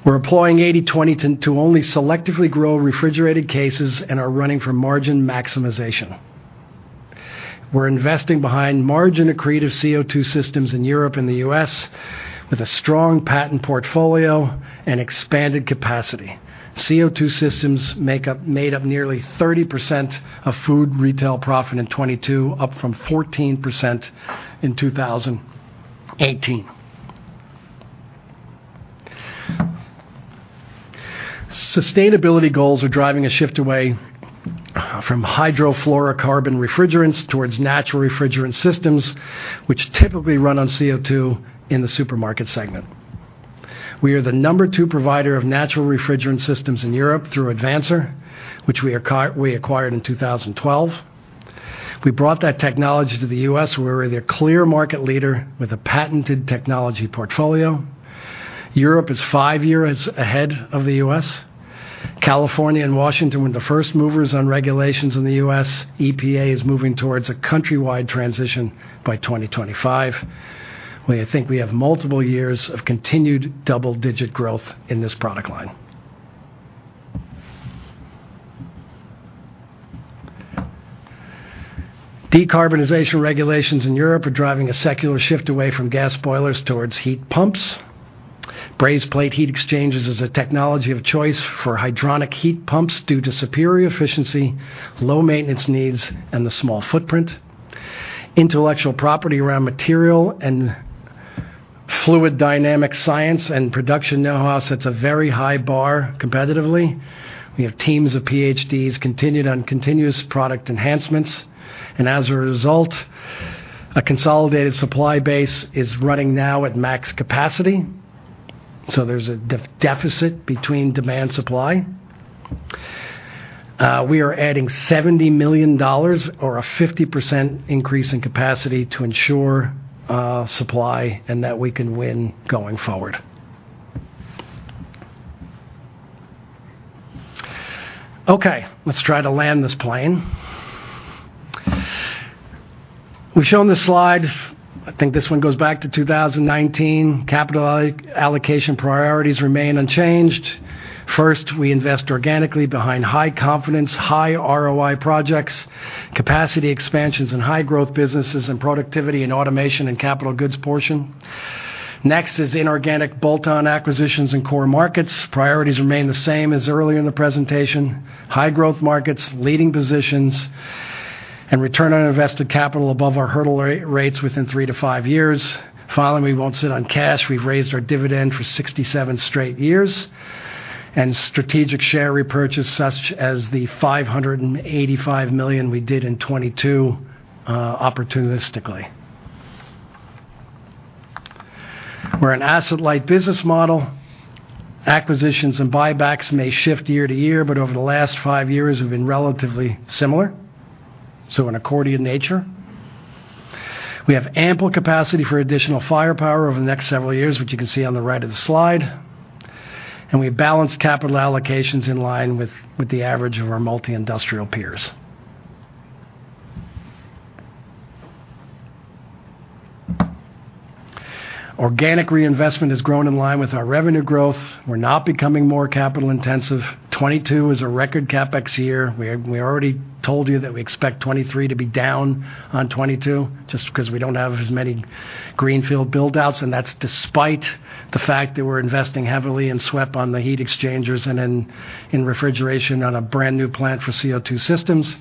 Speaker 2: We're employing 80/20 to only selectively grow refrigerated cases and are running for margin maximization. We're investing behind margin-accretive CO2 systems in Europe and the US with a strong patent portfolio and expanded capacity. CO2 systems made up nearly 30% of food retail profit in 2022, up from 14% in 2018. Sustainability goals are driving a shift away from hydrofluorocarbon refrigerants towards natural refrigerant systems, which typically run on CO2 in the supermarket segment. We are the number two provider of natural refrigerant systems in Europe through Advansor, which we acquired in 2012. We brought that technology to the U.S. We're the clear market leader with a patented technology portfolio. Europe is five years ahead of the U.S. California and Washington were the first movers on regulations in the U.S. EPA is moving towards a countrywide transition by 2025. We think we have multiple years of continued double-digit growth in this product line. Decarbonization regulations in Europe are driving a secular shift away from gas boilers towards heat pumps. Brazed plate heat exchangers is a technology of choice for hydronic heat pumps due to superior efficiency, low maintenance needs, and the small footprint. Intellectual property around material and fluid dynamic science and production know-how sets a very high bar competitively. We have teams of PhDs continued on continuous product enhancements, and as a result, a consolidated supply base is running now at max capacity. There's a deficit between demand supply. We are adding $70 million or a 50% increase in capacity to ensure supply and that we can win going forward. Okay. Let's try to land this plane. We've shown this slide. I think this one goes back to 2019. Capital all-allocation priorities remain unchanged. First, we invest organically behind high confidence, high ROI projects, capacity expansions in high growth businesses, and productivity and automation in capital goods portion. Next is inorganic bolt-on acquisitions in core markets. Priorities remain the same as early in the presentation, high growth markets, leading positions, and return on invested capital above our hurdle rates within three-five years. Finally, we won't sit on cash. We've raised our dividend for 67 straight years, and strategic share repurchase such as the $585 million we did in 2022 opportunistically. We're an asset-light business model. Acquisitions and buybacks may shift year to year, over the last five years have been relatively similar, so an accordion nature. We have ample capacity for additional firepower over the next several years, which you can see on the right of the slide. We balance capital allocations in line with the average of our multi-industrial peers. Organic reinvestment has grown in line with our revenue growth. We're not becoming more capital-intensive. 2022 is a record CapEx year. We already told you that we expect 2023 to be down on 2022 just 'cause we don't have as many greenfield build-outs, and that's despite the fact that we're investing heavily in SWEP on the heat exchangers and in refrigeration on a brand-new plant for CO2 systems.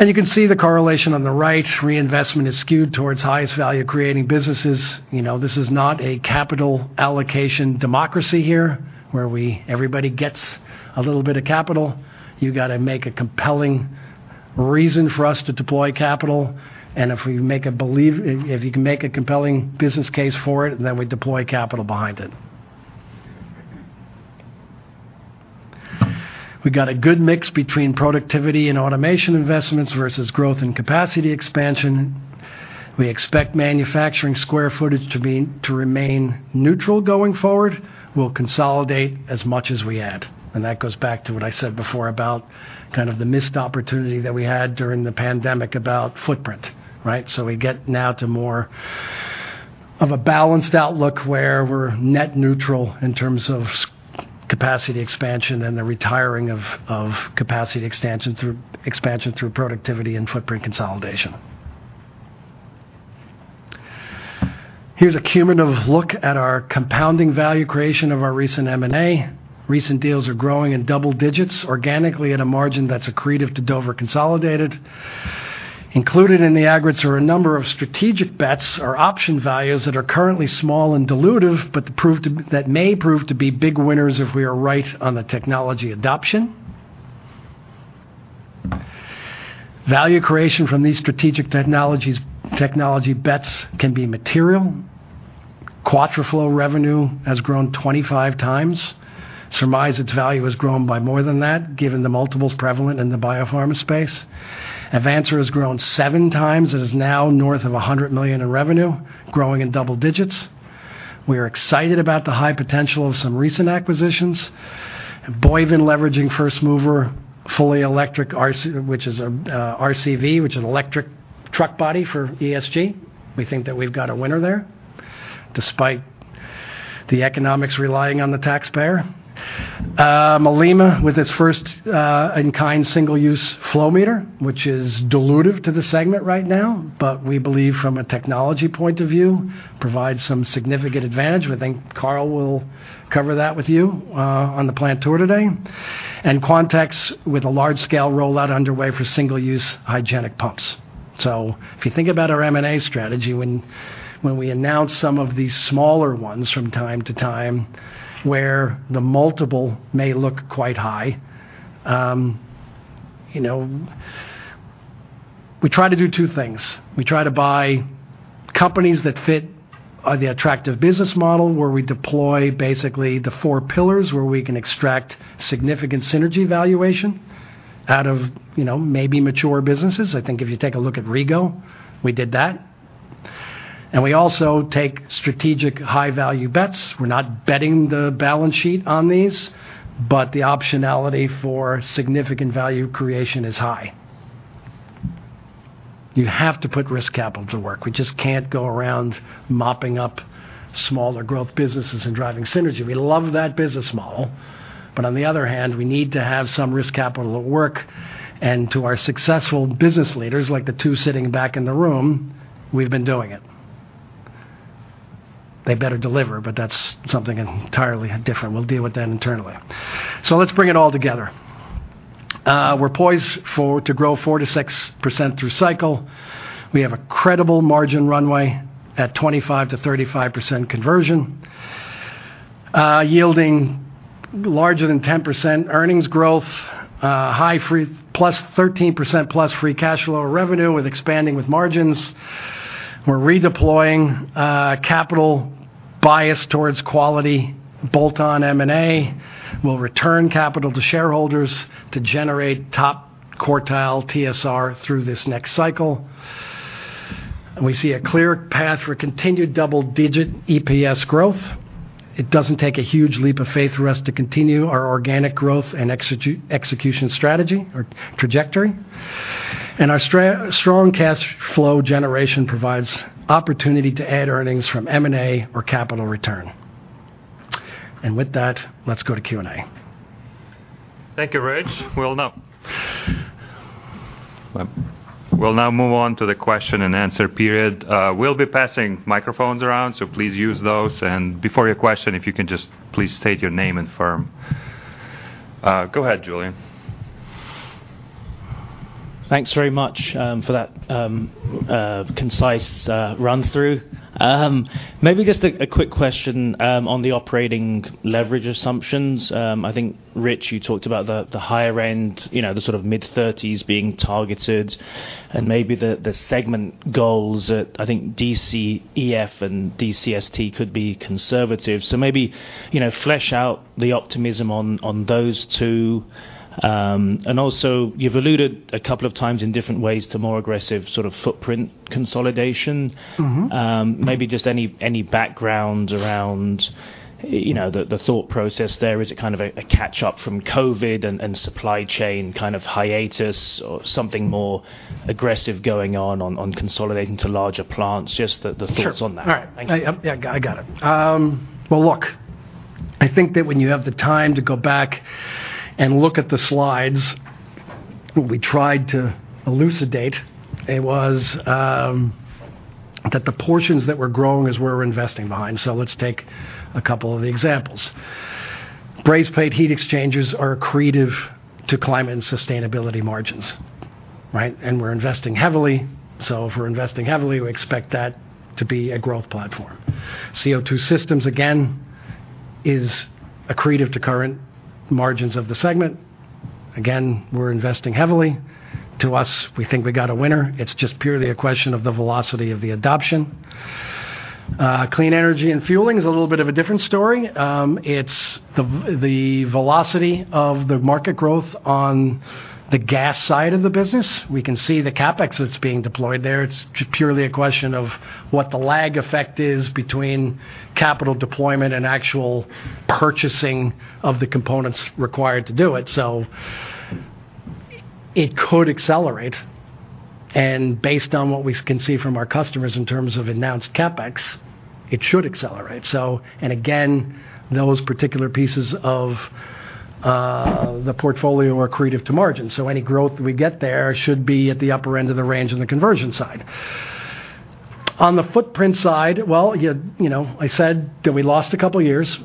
Speaker 2: You can see the correlation on the right. Reinvestment is skewed towards highest value-creating businesses. You know, this is not a capital allocation democracy here, where everybody gets a little bit of capital. You gotta make a compelling reason for us to deploy capital, if you can make a compelling business case for it, we deploy capital behind it. We got a good mix between productivity and automation investments versus growth and capacity expansion. We expect manufacturing square footage to remain neutral going forward. We'll consolidate as much as we add, that goes back to what I said before about kind of the missed opportunity that we had during the pandemic about footprint, right? We get now to more of a balanced outlook where we're net neutral in terms of capacity expansion and the retiring of capacity expansion through productivity and footprint consolidation. Here's a cumulative look at our compounding value creation of our recent M&A. Recent deals are growing in double digits organically at a margin that's accretive to Dover consolidated. Included in the aggregates are a number of strategic bets or option values that are currently small and dilutive, but that may prove to be big winners if we are right on the technology adoption. Value creation from these strategic technology bets can be material. Quattroflow revenue has grown 25 times. Surmise its value has grown by more than that, given the multiples prevalent in the biopharma space. Advansor has grown seven times. It is now north of $100 million in revenue, growing in double digits. We are excited about the high potential of some recent acquisitions. Boyden leveraging first mover fully electric RCV, which is an electric truck body for ESG. We think that we've got a winner there, despite the economics relying on the taxpayer. Malema, with its first in-kind single-use flow meter, which is dilutive to the segment right now, but we believe from a technology point of view, provides some significant advantage. We think Carl will cover that with you on the plant tour today. Quantex with a large-scale rollout underway for single-use hygienic pumps. If you think about our M&A strategy, when we announce some of these smaller ones from time to time, where the multiple may look quite high, you know, we try to do two things. We try to buy companies that fit the attractive business model, where we deploy basically the four pillars, where we can extract significant synergy valuation out of, you know, maybe mature businesses. I think if you take a look at Rego, we did that. We also take strategic high-value bets. We're not betting the balance sheet on these, but the optionality for significant value creation is high. You have to put risk capital to work. We just can't go around mopping up smaller growth businesses and driving synergy. We love that business model. On the other hand, we need to have some risk capital at work. To our successful business leaders, like the two sitting back in the room, we've been doing it. They better deliver, but that's something entirely different. We'll deal with that internally. Let's bring it all together. We're poised to grow 4%-6% through cycle. We have a credible margin runway at 25%-35% conversion, yielding larger than 10% earnings growth, high plus 13% plus free cash flow revenue with expanding margins. We're redeploying capital bias towards quality bolt-on M&A. We'll return capital to shareholders to generate top quartile TSR through this next cycle. We see a clear path for continued double-digit EPS growth. It doesn't take a huge leap of faith for us to continue our organic growth and execution strategy or trajectory. Our strong cash flow generation provides opportunity to add earnings from M&A or capital return. With that, let's go to Q&A.
Speaker 1: Thank you, Rich. We'll now move on to the question and answer period. We'll be passing microphones around, so please use those. Before your question, if you can just please state your name and firm. Go ahead, Julian.
Speaker 3: Thanks very much for that concise run through. Maybe just a quick question on the operating leverage assumptions. I think Rich, you talked about the higher end, you know, the sort of mid-30s being targeted and maybe the segment goals that I think DCEF and DCST could be conservative. Maybe, you know, flesh out the optimism on those two. Also you've alluded a couple of times in different ways to more aggressive sort of footprint consolidation.
Speaker 2: Mm-hmm.
Speaker 3: Maybe just any background around, you know, the thought process there. Is it kind of a catch up from COVID and supply chain kind of hiatus or something more aggressive going on consolidating to larger plants? Just the thoughts on that.
Speaker 2: Sure.
Speaker 3: Thank you.
Speaker 2: All right. I, yeah, I got it. Well, look, I think that when you have the time to go back and look at the slides, what we tried to elucidate it was, that the portions that we're growing is we're investing behind. Let's take a couple of the examples. Brazed plate heat exchangers are accretive to climate and sustainability margins, right? We're investing heavily. If we're investing heavily, we expect that to be a growth platform. CO2 systems, again, is accretive to current margins of the segment. Again, we're investing heavily. To us, we think we got a winner. It's just purely a question of the velocity of the adoption. Clean energy and fueling is a little bit of a different story. It's the velocity of the market growth on the gas side of the business. We can see the CapEx that's being deployed there. It's just purely a question of what the lag effect is between capital deployment and actual purchasing of the components required to do it. It could accelerate. Based on what we can see from our customers in terms of announced CapEx, it should accelerate. Again, those particular pieces of the portfolio are accretive to margin. Any growth we get there should be at the upper end of the range on the conversion side. On the footprint side, well, you know, I said that we lost a couple of years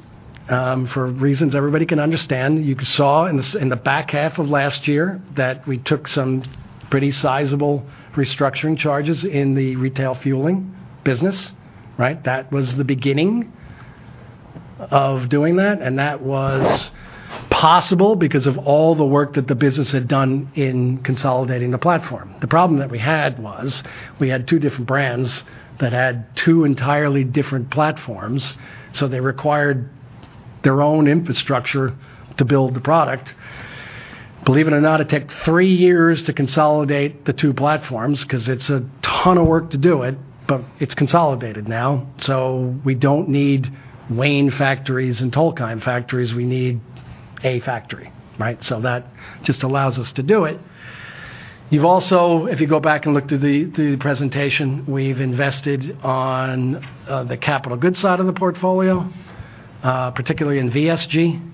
Speaker 2: for reasons everybody can understand. You saw in the back half of last year that we took some pretty sizable restructuring charges in the retail fueling business, right? That was the beginning of doing that. That was possible because of all the work that the business had done in consolidating the platform. The problem that we had was we had two different brands that had two entirely different platforms. They required their own infrastructure to build the product. Believe it or not, it took three years to consolidate the two platforms because it's a ton of work to do it, but it's consolidated now. We don't need Wayne factories and Tokheim factories. We need a factory, right? That just allows us to do it. You've also, if you go back and look through the presentation, we've invested on the capital goods side of the portfolio, particularly in VSG.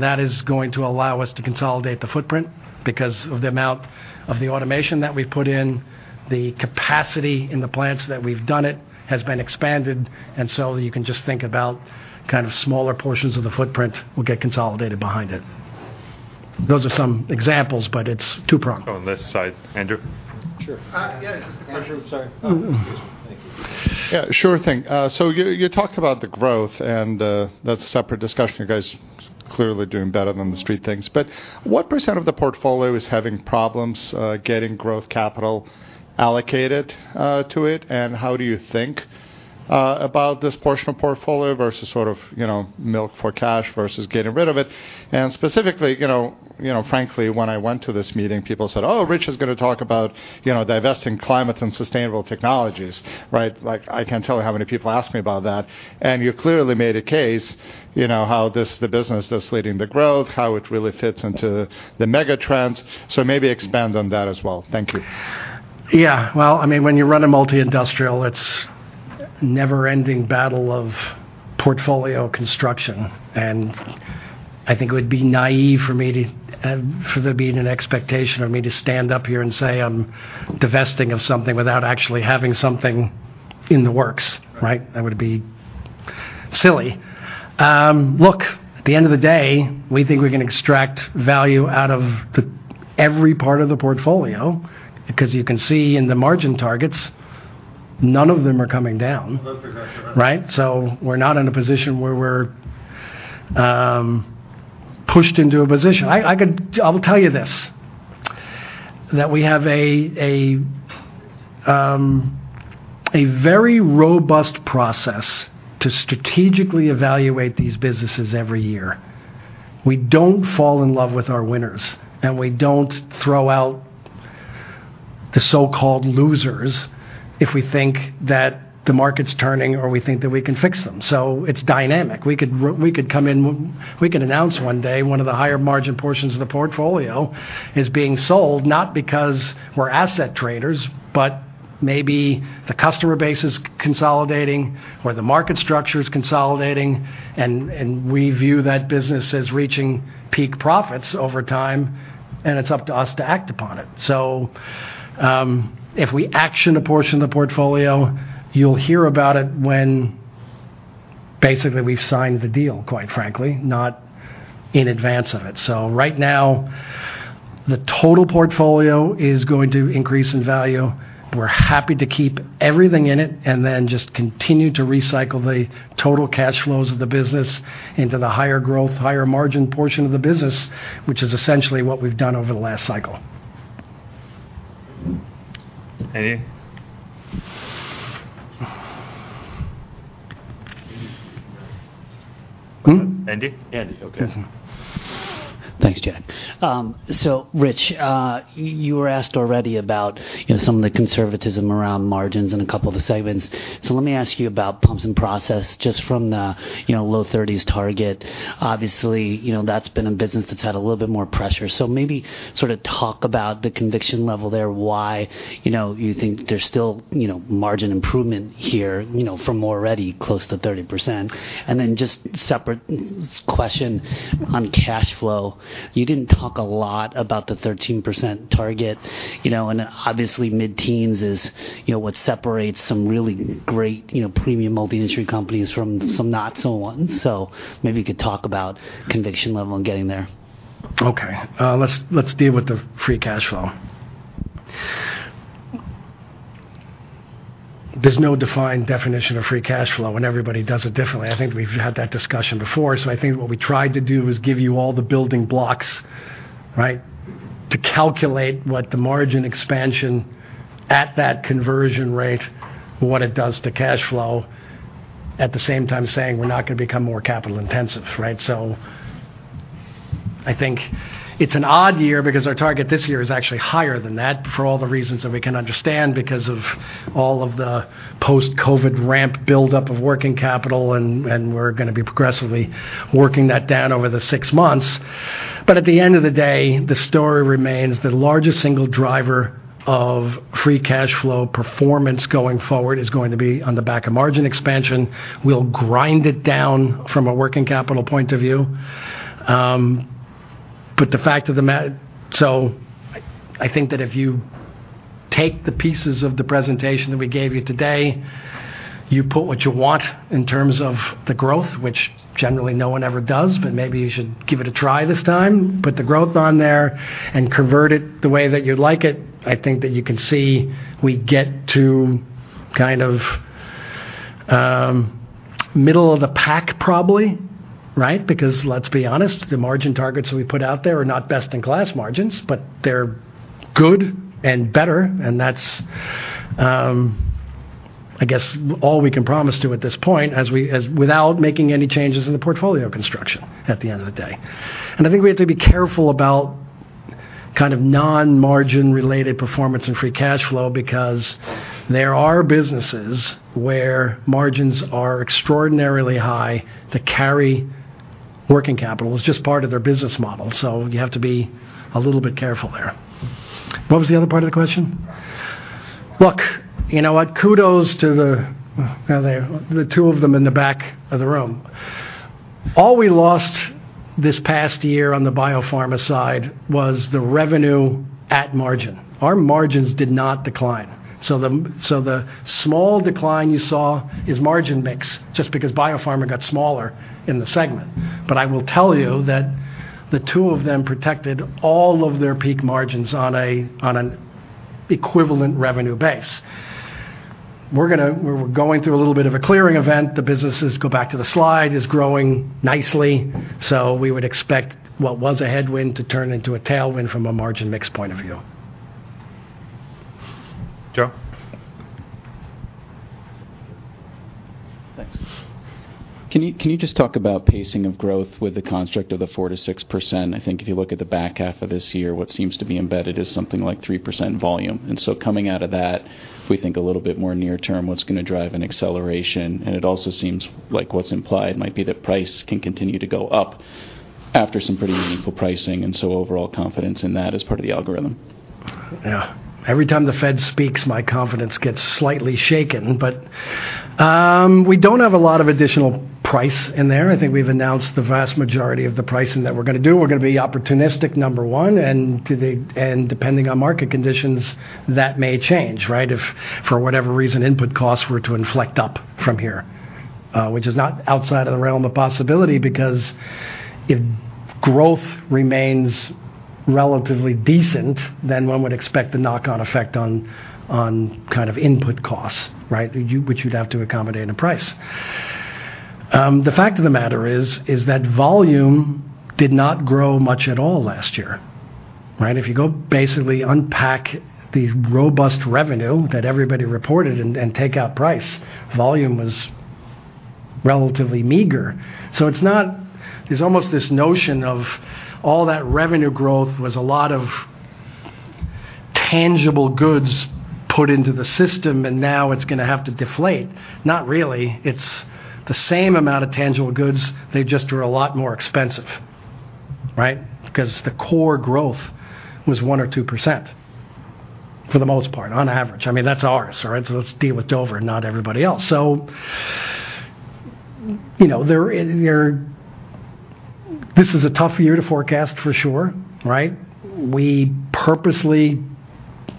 Speaker 2: That is going to allow us to consolidate the footprint because of the amount of the automation that we put in, the capacity in the plants that we've done it has been expanded. You can just think about kind of smaller portions of the footprint will get consolidated behind it. Those are some examples, but it's two-pronged.
Speaker 1: On this side. Andrew?
Speaker 4: Sure.
Speaker 1: Yeah. Andrew, sorry. Excuse me.
Speaker 4: Thank you. Yeah, sure thing. You talked about the growth, and that's a separate discussion. You guys clearly doing better than the street thinks. What % of the portfolio is having problems getting growth capital allocated to it? How do you think about this portion of portfolio versus sort of, you know, milk for cash versus getting rid of it? Specifically, you know, frankly, when I went to this meeting, people said, "Oh, Rich is gonna talk about, you know, divesting climate and sustainable technologies," right? Like, I can't tell you how many people ask me about that. You clearly made a case, you know, how this, the business that's leading the growth, how it really fits into the mega trends. Maybe expand on that as well. Thank you.
Speaker 2: Yeah. Well, I mean, when you run a multi-industrial, it's never-ending battle of portfolio construction. I think it would be naive for there being an expectation of me to stand up here and say I'm divesting of something without actually having something in the works, right? That would be silly. Look, at the end of the day, we think we can extract value out of the every part of the portfolio, because you can see in the margin targets, none of them are coming down.
Speaker 4: Those are not coming down.
Speaker 2: Right? We're not in a position where we're pushed into a position. I will tell you this, that we have a very robust process to strategically evaluate these businesses every year. We don't fall in love with our winners, and we don't throw out the so-called losers if we think that the market's turning or we think that we can fix them. It's dynamic. We can announce one day one of the higher margin portions of the portfolio is being sold, not because we're asset traders, but maybe the customer base is consolidating or the market structure is consolidating, and we view that business as reaching peak profits over time, and it's up to us to act upon it. If we action a portion of the portfolio, you'll hear about it when basically we've signed the deal, quite frankly, not in advance of it. Right now, the total portfolio is going to increase in value. We're happy to keep everything in it and then just continue to recycle the total cash flows of the business into the higher growth, higher margin portion of the business, which is essentially what we've done over the last cycle.
Speaker 1: Andy?
Speaker 2: Hmm?
Speaker 1: Andy? Andy, okay.
Speaker 2: Mm-hmm.
Speaker 5: Thanks, Chad. Rich, you were asked already about, you know, some of the conservatism around margins in a couple of the segments. Let me ask you about pumps and process just from the, you know, low 30s target. Obviously, you know, that's been a business that's had a little bit more pressure. Maybe sort of talk about the conviction level there, why, you know, you think there's still, you know, margin improvement here, you know, from already close to 30%. Just separate question on cash flow. You didn't talk a lot about the 13% target, you know, and obviously mid-teens is, you know, what separates some really great, you know, premium multi-industry companies from some not so on. Maybe you could talk about conviction level on getting there.
Speaker 2: Okay. let's deal with the free cash flow. There's no defined definition of free cash flow, everybody does it differently. I think we've had that discussion before. I think what we tried to do is give you all the building blocks, right, to calculate what the margin expansion at that conversion rate, what it does to cash flow, at the same time saying we're not gonna become more capital intensive, right? I think it's an odd year because our target this year is actually higher than that for all the reasons that we can understand because of all of the post-COVID ramp buildup of working capital, and we're gonna be progressively working that down over the six months. At the end of the day, the story remains the largest single driver of free cash flow performance going forward is going to be on the back of margin expansion. We'll grind it down from a working capital point of view, but the fact of the matter. I think that if you take the pieces of the presentation that we gave you today, you put what you want in terms of the growth, which generally no one ever does, but maybe you should give it a try this time. Put the growth on there and convert it the way that you'd like it. I think that you can see we get to kind of middle of the pack probably, right? Let's be honest, the margin targets that we put out there are not best in class margins, but they're good and better, and that's I guess all we can promise to at this point without making any changes in the portfolio construction at the end of the day. I think we have to be careful about kind of non-margin related performance and free cash flow because there are businesses where margins are extraordinarily high to carry working capital. It's just part of their business model. You have to be a little bit careful there. What was the other part of the question? Look, you know what? Kudos to the-- how are they? The two of them in the back of the room. All we lost this past year on the biopharma side was the revenue at margin. Our margins did not decline. The small decline you saw is margin mix just because biopharma got smaller in the segment. I will tell you that the two of them protected all of their peak margins on an equivalent revenue base. We're going through a little bit of a clearing event. The businesses, go back to the slide, is growing nicely. We would expect what was a headwind to turn into a tailwind from a margin mix point of view.
Speaker 1: Joe?
Speaker 6: Thanks. Can you just talk about pacing of growth with the construct of the 4%-6%? I think if you look at the back half of this year, what seems to be embedded is something like 3% volume. Coming out of that, if we think a little bit more near term, what's gonna drive an acceleration? It also seems like what's implied might be that price can continue to go up after some pretty meaningful pricing, and so overall confidence in that as part of the algorithm.
Speaker 2: Yeah. Every time the Fed speaks, my confidence gets slightly shaken. We don't have a lot of additional price in there. I think we've announced the vast majority of the pricing that we're gonna do. We're gonna be opportunistic, number one, and depending on market conditions, that may change, right? If for whatever reason input costs were to inflect up from here, which is not outside of the realm of possibility, because if growth remains relatively decent, then one would expect the knock-on effect on kind of input costs, right? which you'd have to accommodate in a price. The fact of the matter is that volume did not grow much at all last year, right? If you go basically unpack the robust revenue that everybody reported and take out price, volume was relatively meager. It's not. There's almost this notion of all that revenue growth was a lot of tangible goods put into the system and now it's gonna have to deflate. Not really. It's the same amount of tangible goods, they just are a lot more expensive, right? Because the core growth was 1% or 2% for the most part, on average. I mean, that's ours, all right? Let's deal with Dover, not everybody else. You know, this is a tough year to forecast for sure, right? We purposely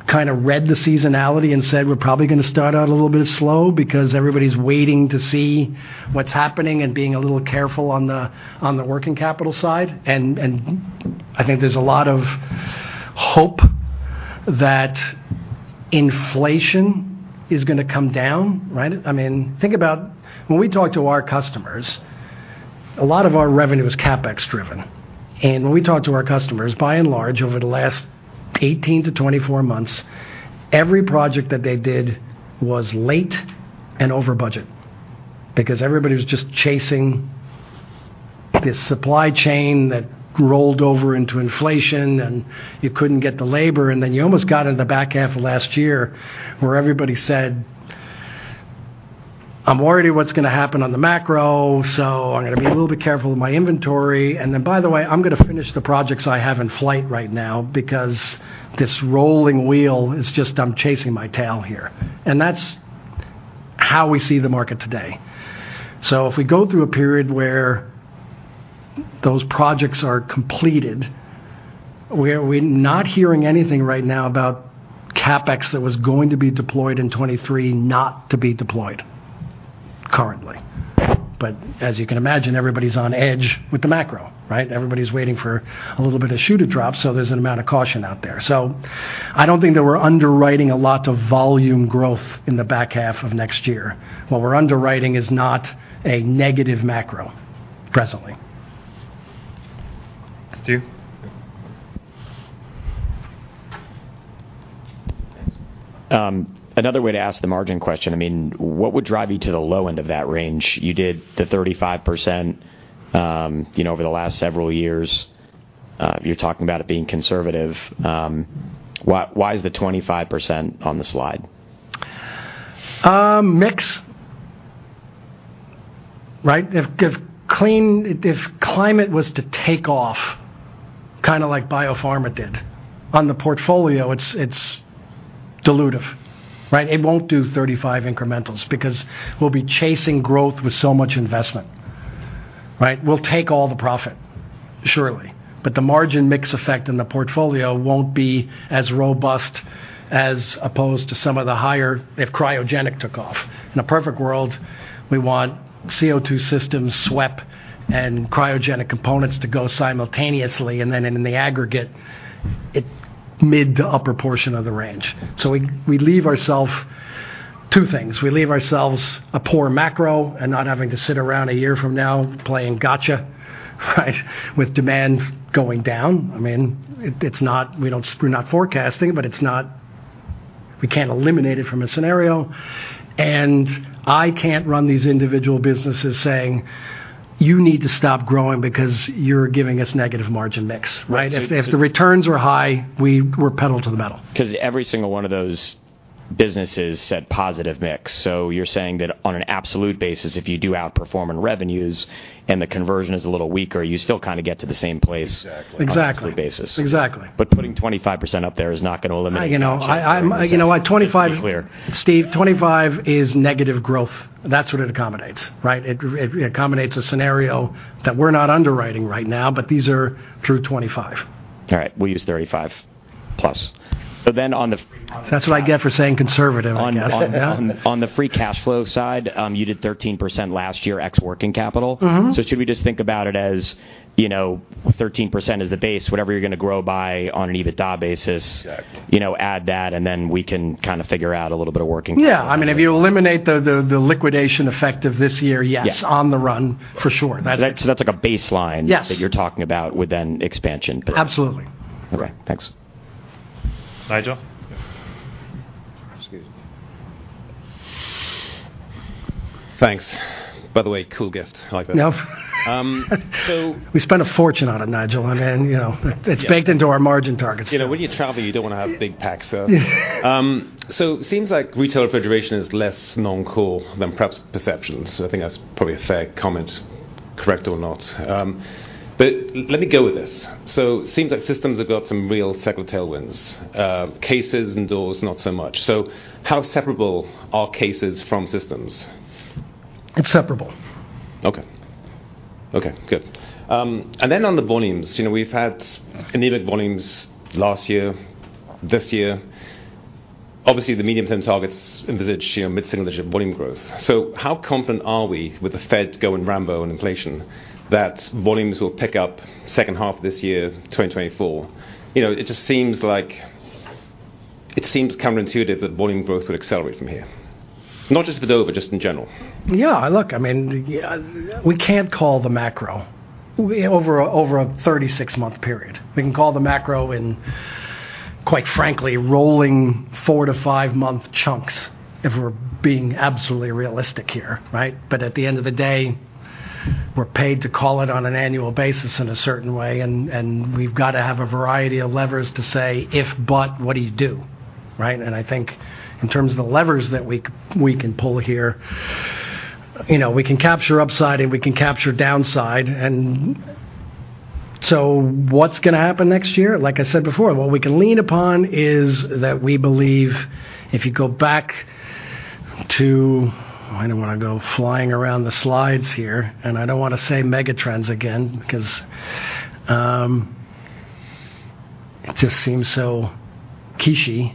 Speaker 2: kind of read the seasonality and said we're probably gonna start out a little bit slow because everybody's waiting to see what's happening and being a little careful on the, on the working capital side. I think there's a lot of hope that inflation is gonna come down, right? I mean, think about when we talk to our customers, a lot of our revenue is CapEx driven. When we talk to our customers, by and large, over the last 18 to 24 months, every project that they did was late and over budget because everybody was just chasing this supply chain that rolled over into inflation, and you couldn't get the labor. You almost got in the back half of last year where everybody said, "I'm worried what's gonna happen on the macro, so I'm gonna be a little bit careful with my inventory. By the way, I'm gonna finish the projects I have in flight right now because this rolling wheel is just I'm chasing my tail here." That's how we see the market today. If we go through a period where those projects are completed, we're not hearing anything right now about CapEx that was going to be deployed in 2023 not to be deployed currently. As you can imagine, everybody's on edge with the macro, right? Everybody's waiting for a little bit of shoe to drop, so there's an amount of caution out there. I don't think that we're underwriting a lot of volume growth in the back half of next year. What we're underwriting is not a negative macro presently.
Speaker 1: Stu?
Speaker 7: Thanks. Another way to ask the margin question. I mean, what would drive you to the low end of that range? You did the 35%, you know, over the last several years. You're talking about it being conservative. Why is the 25% on the slide?
Speaker 2: Mix right? If climate was to take off kind of like biopharma did, on the portfolio, it's dilutive, right? It won't do 35 incrementals because we'll be chasing growth with so much investment, right? We'll take all the profit, surely, but the margin mix effect in the portfolio won't be as robust as opposed to some of the higher if cryogenic took off. In a perfect world, we want CO2 systems, SWEP, and cryogenic components to go simultaneously, and then in the aggregate, it mid to upper portion of the range. We leave ourself two things. We leave ourselves a poor macro and not having to sit around a year from now playing gotcha, right? With demand going down. I mean, it's not, we're not forecasting, but it's not. We can't eliminate it from a scenario. I can't run these individual businesses saying, "You need to stop growing because you're giving us negative margin mix," right? If the returns are high, we're pedal to the metal.
Speaker 7: Every single one of those businesses said positive mix. You're saying that on an absolute basis, if you do outperform in revenues and the conversion is a little weaker, you still kinda get to the same place?
Speaker 2: Exactly.
Speaker 7: on a through basis.
Speaker 2: Exactly.
Speaker 7: Putting 25% up there is not gonna eliminate the gotcha from.
Speaker 2: You know, you know what?
Speaker 7: Just to be clear.
Speaker 2: Steve, 25 is negative growth. That's what it accommodates, right? It accommodates a scenario that we're not underwriting right now, but these are through '25.
Speaker 7: All right. We'll use 35+.
Speaker 2: That's what I get for saying conservative, I guess. Yeah.
Speaker 7: On the free cash flow side, you did 13% last year ex working capital.
Speaker 2: Mm-hmm.
Speaker 7: Should we just think about it as, you know, 13% is the base, whatever you're gonna grow by on an EBITDA basis.
Speaker 2: Exactly.
Speaker 7: You know, add that, and then we can kinda figure out a little bit of working capital.
Speaker 2: Yeah. I mean, if you eliminate the liquidation effect of this year, yes-
Speaker 7: Yeah.
Speaker 2: on the run for sure. That's
Speaker 7: That's like a baseline.
Speaker 2: Yes.
Speaker 7: that you're talking about with then expansion.
Speaker 2: Absolutely.
Speaker 7: Okay. Thanks.
Speaker 1: Nigel.
Speaker 8: Excuse me. Thanks. By the way, cool gift. I like that.
Speaker 2: We spent a fortune on it, Nigel, and, you know, it's baked into our margin targets.
Speaker 8: You know, when you travel, you don't wanna have big packs, so.
Speaker 2: Yeah.
Speaker 8: Seems like retail refrigeration is less non-core than perhaps perceptions. I think that's probably a fair comment, correct or not. Let me go with this. Seems like systems have got some real cycle tailwinds, cases and doors not so much. How separable are cases from systems?
Speaker 2: It's separable.
Speaker 8: Okay. Okay, good. Then on the volumes, you know, we've had anemic volumes last year, this year. Obviously, the medium-term targets envisage, you know, mid-single-digit volume growth. How confident are we with the Fed going Rambo on inflation that volumes will pick up second half of this year, 2024? You know, it just seems It seems counterintuitive that volume growth would accelerate from here. Not just for Dover, just in general.
Speaker 2: Yeah. Look, I mean, we can't call the macro over a 36-month period. We can call the macro in, quite frankly, rolling four-five-month chunks if we're being absolutely realistic here, right? At the end of the day, we're paid to call it on an annual basis in a certain way, and we've got to have a variety of levers to say, "If, but, what do you do?" Right? I think in terms of the levers that we can pull here, you know, we can capture upside and we can capture downside. What's gonna happen next year? Like I said before, what we can lean upon is that we believe if you go back to... I don't wanna go flying around the slides here, and I don't wanna say megatrends again because, it just seems so kitschy.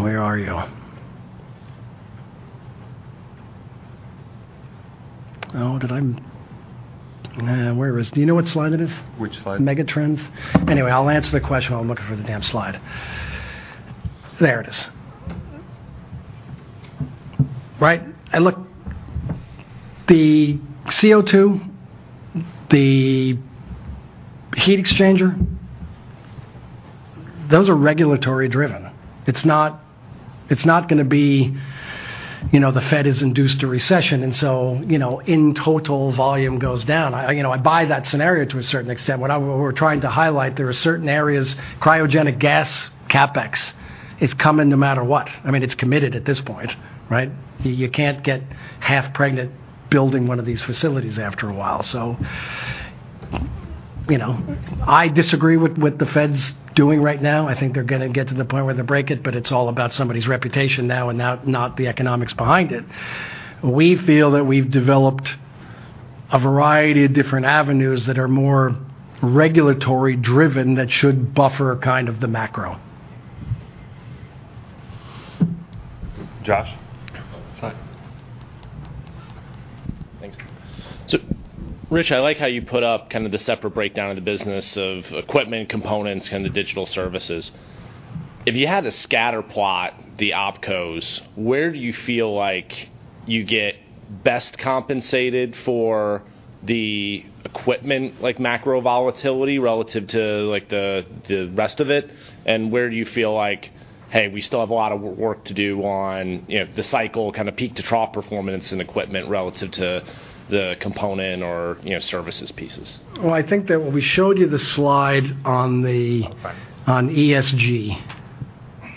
Speaker 2: Where are you? Oh, did I... Do you know what slide it is?
Speaker 8: Which slide?
Speaker 2: Megatrends. Anyway, I'll answer the question while I'm looking for the damn slide. There it is. Right. Look, the CO2, the heat exchanger, those are regulatory driven. It's not, it's not gonna be, you know, the Fed is induced to recession, and so, you know, in total volume goes down. I, you know, I buy that scenario to a certain extent. What we're trying to highlight, there are certain areas, cryogenic gas, CapEx is coming no matter what. I mean, it's committed at this point, right? You can't get half pregnant building one of these facilities after a while. You know, I disagree with what the Fed's doing right now. I think they're gonna get to the point where they break it, but it's all about somebody's reputation now and not the economics behind it. We feel that we've developed a variety of different avenues that are more regulatory driven that should buffer kind of the macro.
Speaker 1: Josh.
Speaker 9: Sorry. Thanks. Rich, I like how you put up kind of the separate breakdown of the business of equipment, components, and the digital services. If you had to scatter plot the OpCos, where do you feel like you get best compensated for the equipment, like macro volatility relative to like the rest of it? Where do you feel like, "Hey, we still have a lot of work to do on, you know, the cycle kinda peak to trough performance and equipment relative to the component or, you know, services pieces?
Speaker 2: Well, I think that when we showed you the slide on...
Speaker 9: Oh, fine.
Speaker 2: On ESG.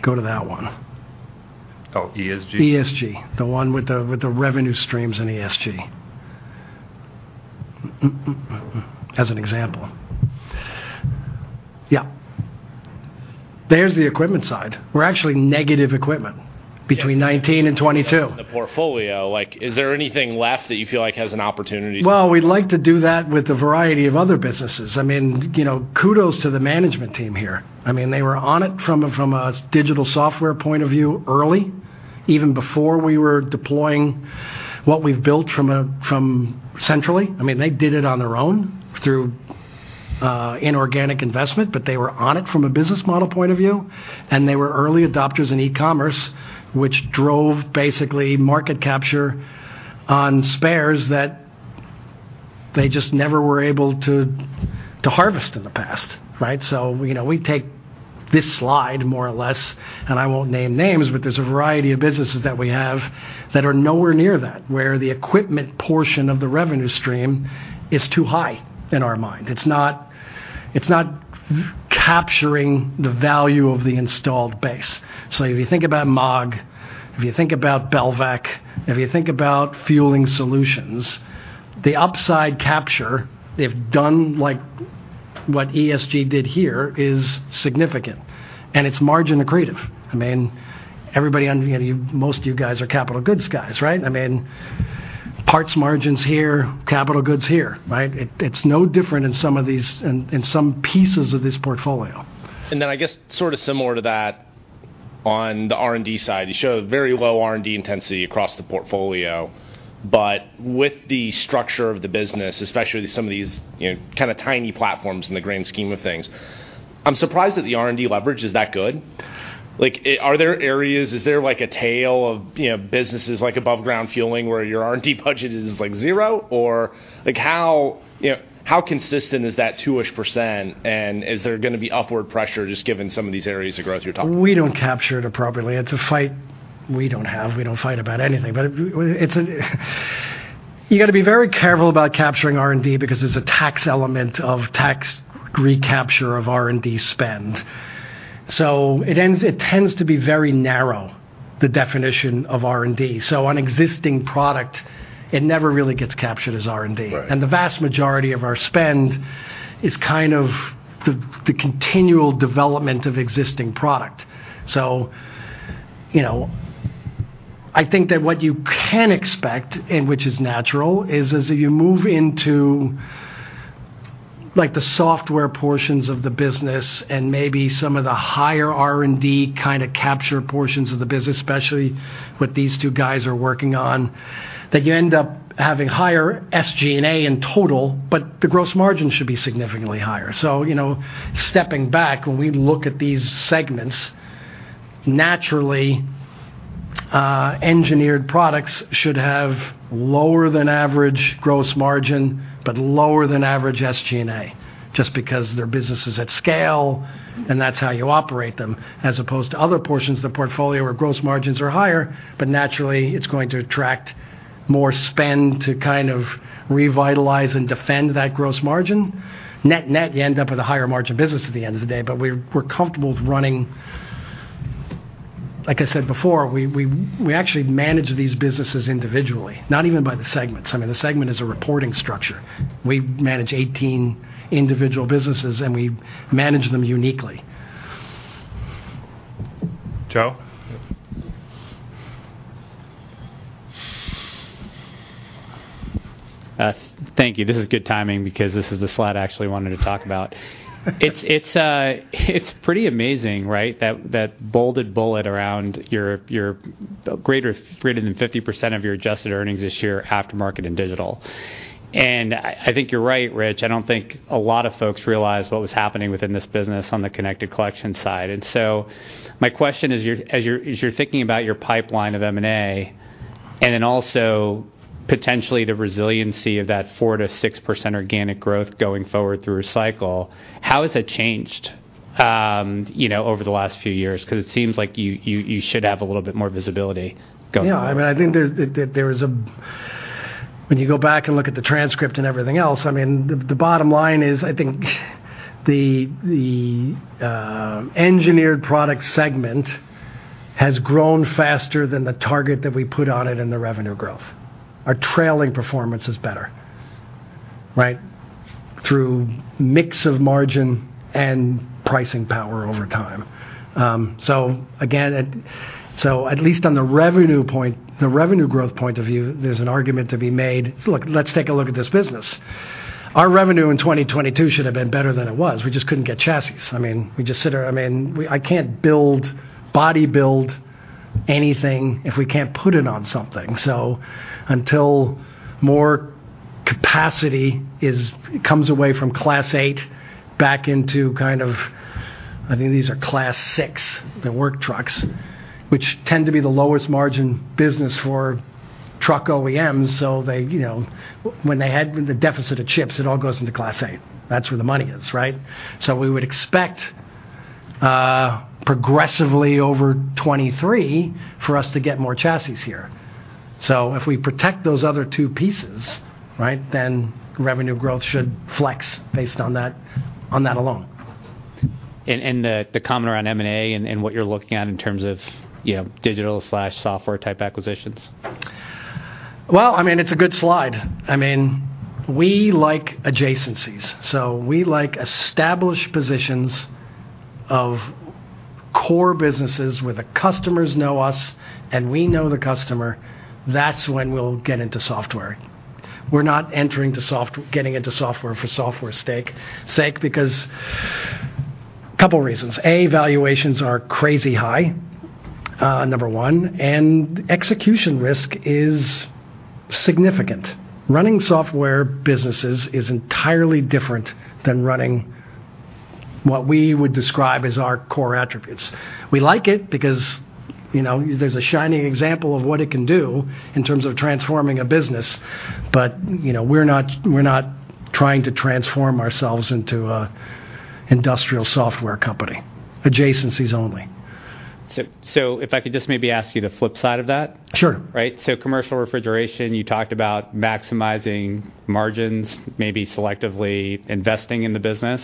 Speaker 2: Go to that one.
Speaker 9: Oh, ESG?
Speaker 2: ESG. The one with the revenue streams in ESG. As an example. Yeah. There's the equipment side. We're actually negative equipment between 2019 and 2022.
Speaker 9: The portfolio, like, is there anything left that you feel like has an opportunity?
Speaker 2: We'd like to do that with a variety of other businesses. I mean, you know, kudos to the management team here. I mean, they were on it from a digital software point of view early, even before we were deploying what we've built from centrally. I mean, they did it on their own through inorganic investment, but they were on it from a business model point of view, and they were early adopters in e-commerce, which drove basically market capture on spares that they just never were able to harvest in the past, right? You know, we take this slide more or less, and I won't name names, but there's a variety of businesses that we have that are nowhere near that, where the equipment portion of the revenue stream is too high in our mind. It's not capturing the value of the installed base. If you think about Maag, if you think about Belvac, if you think about fueling solutions, the upside capture they've done, like what ESG did here, is significant, and it's margin accretive. I mean, everybody on here, most of you guys are capital goods guys, right? I mean, parts margins here, capital goods here, right? It's no different in some of these, in some pieces of this portfolio.
Speaker 9: I guess sort of similar to that on the R&D side, you show very low R&D intensity across the portfolio. With the structure of the business, especially some of these, you know, kind of tiny platforms in the grand scheme of things, I'm surprised that the R&D leverage is that good. Are there areas, is there like a tail of, you know, businesses like above ground fueling where your R&D budget is, like zero? How, you know, how consistent is that 2-ish%, and is there gonna be upward pressure just given some of these areas of growth you're talking about?
Speaker 2: We don't capture it appropriately. It's a fight we don't have. We don't fight about anything. It's a You gotta be very careful about capturing R&D because there's a tax element of tax recapture of R&D spend. It tends to be very narrow, the definition of R&D. On existing product, it never really gets captured as R&D.
Speaker 9: Right.
Speaker 2: The vast majority of our spend is kind of the continual development of existing product. You know, I think that what you can expect, and which is natural, is as you move into, like, the software portions of the business and maybe some of the higher R&D kinda capture portions of the business, especially what these two guys are working on, that you end up having higher SG&A in total, but the gross margin should be significantly higher. You know, stepping back, when we look at these segments, naturally, engineered products should have lower than average gross margin, but lower than average SG&A, just because their business is at scale, and that's how you operate them, as opposed to other portions of the portfolio where gross margins are higher, but naturally, it's going to attract more spend to kind of revitalize and defend that gross margin. Net, net, you end up with a higher margin business at the end of the day. We're, we're comfortable with running... Like I said before, we actually manage these businesses individually, not even by the segments. I mean, the segment is a reporting structure. We manage 18 individual businesses, and we manage them uniquely.
Speaker 1: Joe?
Speaker 6: Yep. Thank you. This is good timing because this is the slide I actually wanted to talk about. It's, it's pretty amazing, right? That, that bolded bullet around your greater than 50% of your adjusted earnings this year aftermarket and digital. I think you're right, Rich. I don't think a lot of folks realized what was happening within this business on the connected collection side. My question is, as you're, as you're thinking about your pipeline of M&A and then also potentially the resiliency of that 4%-6% organic growth going forward through a cycle, how has that changed, you know, over the last few years? 'Cause it seems like you should have a little bit more visibility going forward.
Speaker 2: I mean, I think there is. When you go back and look at the transcript and everything else, I mean, the bottom line is, I think the Engineered Products segment has grown faster than the target that we put on it in the revenue growth. Our trailing performance is better, right? Through mix of margin and pricing power over time. Again, at least on the revenue growth point of view, there's an argument to be made. Look, let's take a look at this business. Our revenue in 2022 should have been better than it was. We just couldn't get chassis. I mean, we just sit here. I can't build, body build anything if we can't put it on something. Until more capacity comes away from Class eight back into kind of, I think these are Class six, the work trucks, which tend to be the lowest margin business for truck OEMs. They, you know, when they had the deficit of chips, it all goes into Class eight. That's where the money is, right? We would expect, progressively over 23 for us to get more chassis here. If we protect those other two pieces, right, then revenue growth should flex based on that, on that alone.
Speaker 6: And the comment around M&A and what you're looking at in terms of, you know, digital/software type acquisitions.
Speaker 2: Well, I mean, it's a good slide. I mean, we like adjacencies. We like established positions of core businesses where the customers know us and we know the customer. That's when we'll get into software. We're not entering to getting into software for software's sake because couple reasons: A, valuations are crazy high, number one, and execution risk is significant. Running software businesses is entirely different than running what we would describe as our core attributes. We like it because, you know, there's a shining example of what it can do in terms of transforming a business. You know, we're not, we're not trying to transform ourselves into a industrial software company. Adjacencies only.
Speaker 6: If I could just maybe ask you the flip side of that.
Speaker 2: Sure.
Speaker 6: Right? Commercial refrigeration, you talked about maximizing margins, maybe selectively investing in the business.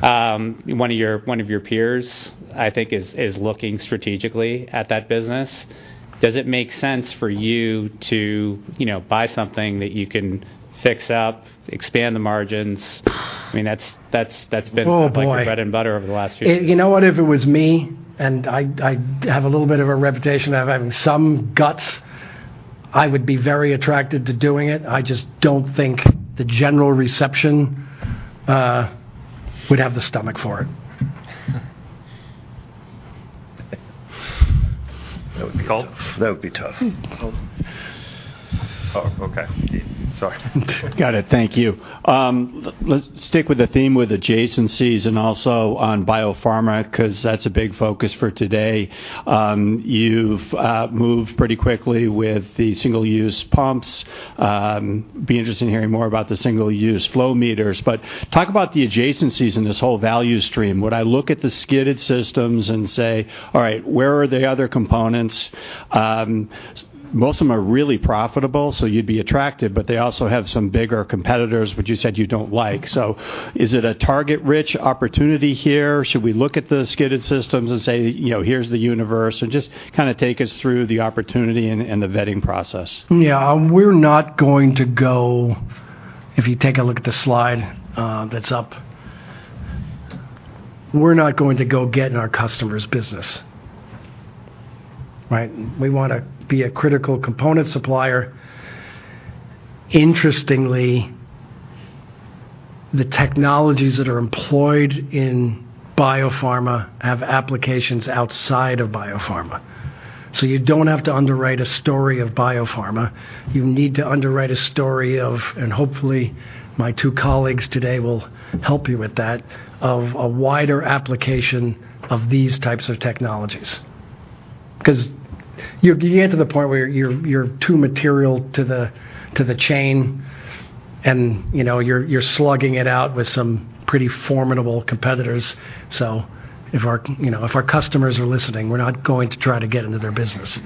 Speaker 6: One of your peers, I think, is looking strategically at that business. Does it make sense for you to, you know, buy something that you can fix up, expand the margins? I mean, that's.
Speaker 2: Oh, boy...
Speaker 6: like your bread and butter over the last few years.
Speaker 2: You know what? If it was me, and I have a little bit of a reputation of having some guts, I would be very attracted to doing it. I just don't think the general reception would have the stomach for it.
Speaker 1: That would be tough.
Speaker 10: Paul?
Speaker 1: That would be tough.
Speaker 10: Paul.
Speaker 1: Oh, okay. Sorry.
Speaker 11: Got it. Thank you. Let's stick with the theme with adjacencies and also on biopharma 'cause that's a big focus for today. You've moved pretty quickly with the single-use pumps. Be interesting hearing more about the single-use flow meters. Talk about the adjacencies in this whole value stream. Would I look at the skidded systems and say, "All right, where are the other components?" Most of them are really profitable, so you'd be attracted, but they also have some bigger competitors, which you said you don't like. Is it a target-rich opportunity here? Should we look at the skidded systems and say, you know, "Here's the universe"? Just kinda take us through the opportunity and the vetting process.
Speaker 2: Yeah. If you take a look at the slide that's up, we're not going to go get in our customer's business, right? We wanna be a critical component supplier. Interestingly, the technologies that are employed in biopharma have applications outside of biopharma. You don't have to underwrite a story of biopharma. You need to underwrite a story of, and hopefully my two colleagues today will help you with that, of a wider application of these types of technologies. 'Cause you're getting to the point where you're too material to the chain and, you know, you're slugging it out with some pretty formidable competitors. If our customers are listening, we're not going to try to get into their business.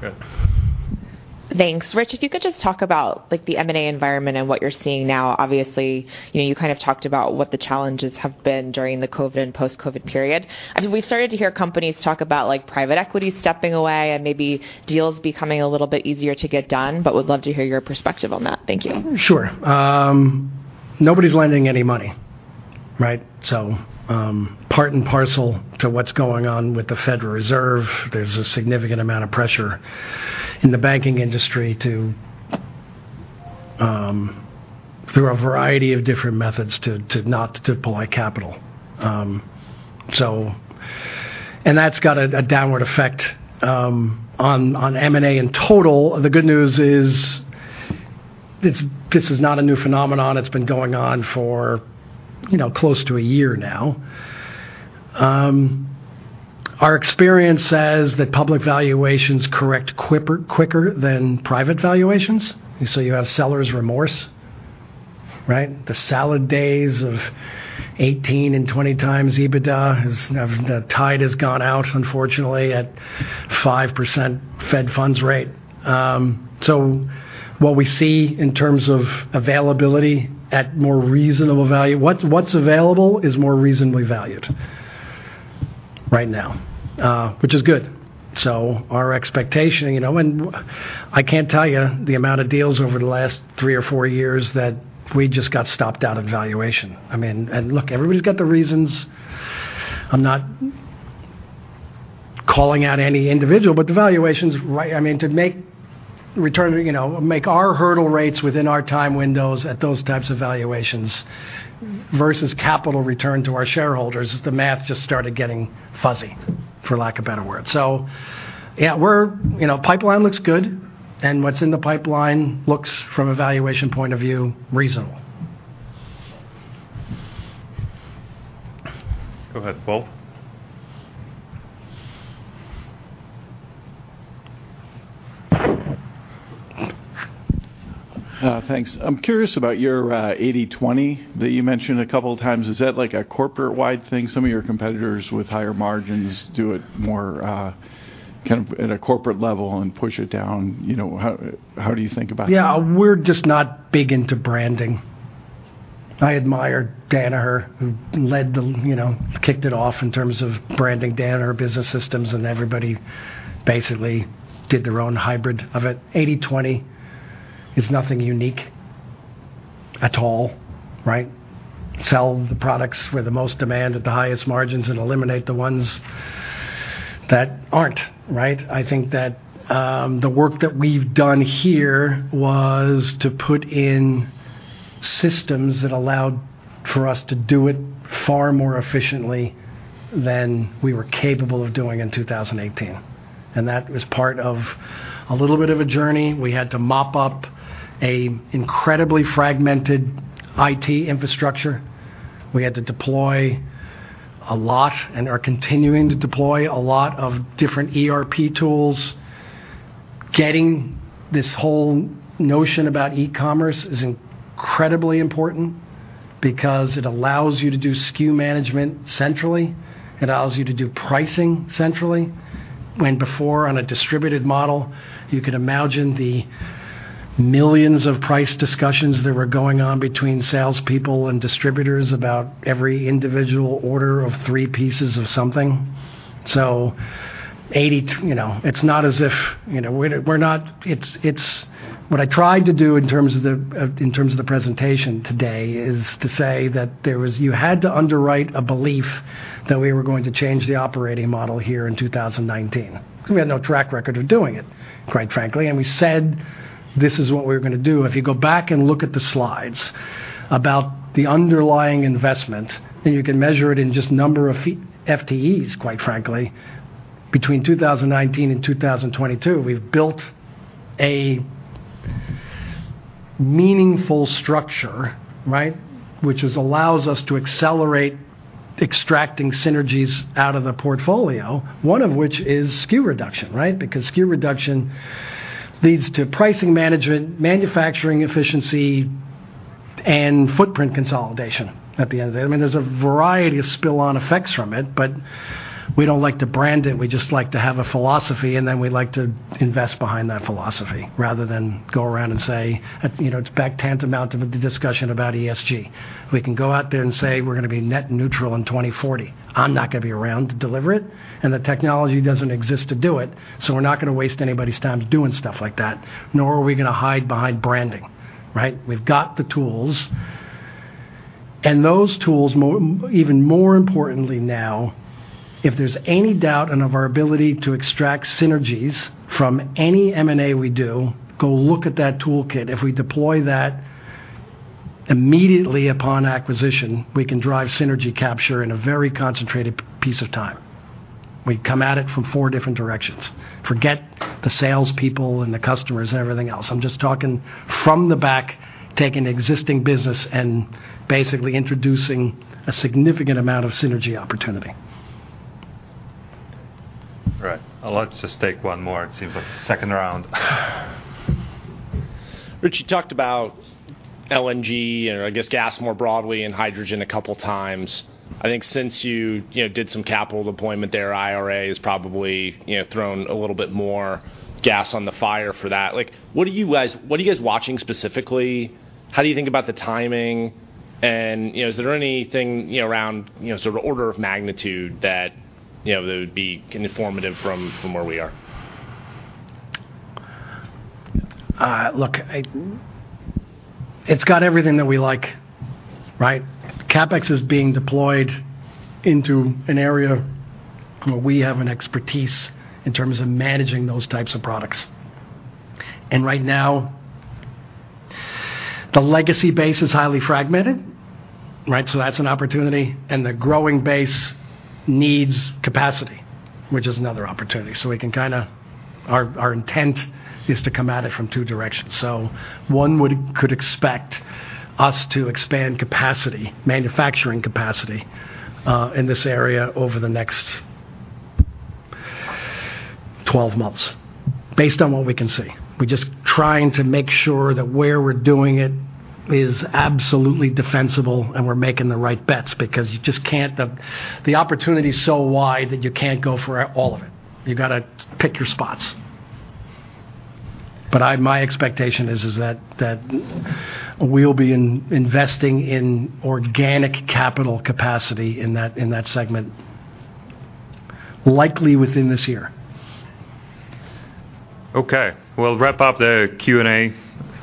Speaker 11: Good.
Speaker 12: Thanks. Rich, if you could just talk about, like, the M&A environment and what you're seeing now. Obviously, you know, you kind of talked about what the challenges have been during the COVID and post-COVID period. I mean, we've started to hear companies talk about, like, private equity stepping away and maybe deals becoming a little bit easier to get done. Would love to hear your perspective on that. Thank you.
Speaker 2: Sure. Nobody's lending any money, right? Part and parcel to what's going on with the Federal Reserve, there's a significant amount of pressure in the banking industry to through a variety of different methods to not deploy capital. That's got a downward effect on M&A in total. The good news is this is not a new phenomenon. It's been going on for, you know, close to a year now. Our experience says that public valuations correct quicker than private valuations. You have sellers remorse, right? The salad days of 18 and 20 times EBITDA the tide has gone out, unfortunately, at 5% Fed funds rate. What we see in terms of availability at more reasonable value, what's available is more reasonably valued right now, which is good. Our expectation, you know, and I can't tell you the amount of deals over the last three or four years that we just got stopped out of valuation. I mean, look, everybody's got their reasons. I'm not calling out any individual, but the valuations I mean, to make return, you know, make our hurdle rates within our time windows at those types of valuations versus capital return to our shareholders, the math just started getting fuzzy, for lack of better word. Yeah, we're, you know, pipeline looks good, and what's in the pipeline looks, from a valuation point of view, reasonable.
Speaker 1: Go ahead, Paul.
Speaker 13: Thanks. I'm curious about your 80/20 that you mentioned a couple of times. Is that like a corporate-wide thing? Some of your competitors with higher margins do it more. Kind of at a corporate level and push it down, you know, how do you think about it?
Speaker 2: Yeah. We're just not big into branding. I admire Danaher who led the, you know, kicked it off in terms of branding Danaher Business Systems. Everybody basically did their own hybrid of it. 80/20 is nothing unique at all, right? Sell the products with the most demand at the highest margins and eliminate the ones that aren't, right? I think that the work that we've done here was to put in systems that allowed for us to do it far more efficiently than we were capable of doing in 2018. That was part of a little bit of a journey. We had to mop up a incredibly fragmented IT infrastructure. We had to deploy a lot, and are continuing to deploy a lot of different ERP tools. Getting this whole notion about e-commerce is incredibly important because it allows you to do SKU management centrally. It allows you to do pricing centrally. When before, on a distributed model, you could imagine the millions of price discussions that were going on between salespeople and distributors about every individual order of three pieces of something. you know, it's not as if. You know, we're not. What I tried to do in terms of the, in terms of the presentation today is to say that you had to underwrite a belief that we were going to change the operating model here in 2019, 'cause we had no track record of doing it, quite frankly. We said, "This is what we're gonna do." If you go back and look at the slides about the underlying investment, you can measure it in just number of FTEs, quite frankly. Between 2019 and 2022, we've built a meaningful structure, right? Which is allows us to accelerate extracting synergies out of the portfolio, one of which is SKU reduction, right? Because SKU reduction leads to pricing management, manufacturing efficiency, and footprint consolidation at the end of the day. I mean, there's a variety of spill-on effects from it, but we don't like to brand it. We just like to have a philosophy, and then we like to invest behind that philosophy rather than go around and say. You know, it's back tantamount to the discussion about ESG. We can go out there and say we're gonna be net neutral in 2040. I'm not gonna be around to deliver it, the technology doesn't exist to do it, we're not gonna waste anybody's time doing stuff like that, nor are we gonna hide behind branding, right? We've got the tools. those tools even more importantly now, if there's any doubt in of our ability to extract synergies from any M&A we do, go look at that toolkit. If we deploy that immediately upon acquisition, we can drive synergy capture in a very concentrated piece of time. We come at it from four different directions. Forget the salespeople and the customers and everything else. I'm just talking from the back, taking existing business and basically introducing a significant amount of synergy opportunity.
Speaker 1: All right. Let's just take one more. It seems like the second round.
Speaker 14: Rich, you talked about LNG and, I guess, gas more broadly and hydrogen a couple times. I think since you know, did some capital deployment there, IRA has probably, you know, thrown a little bit more gas on the fire for that. Like, what are you guys watching specifically? How do you think about the timing? Is there anything, you know, around, you know, sort of order of magnitude that, you know, that would be informative from where we are?
Speaker 2: Look, It's got everything that we like, right? CapEx is being deployed into an area where we have an expertise in terms of managing those types of products. Right now, the legacy base is highly fragmented, right? That's an opportunity, and the growing base needs capacity, which is another opportunity. We can kinda... Our intent is to come at it from two directions. One could expect us to expand capacity, manufacturing capacity in this area over the next 12 months, based on what we can see. We're just trying to make sure that where we're doing it is absolutely defensible and we're making the right bets because you just can't... The opportunity is so wide that you can't go for all of it. You gotta pick your spots. My expectation is that we'll be investing in organic capital capacity in that segment, likely within this year.
Speaker 1: Okay. We'll wrap up the Q&A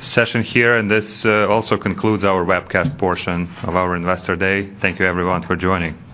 Speaker 1: session here. This also concludes our webcast portion of our Investor Day. Thank you everyone for joining.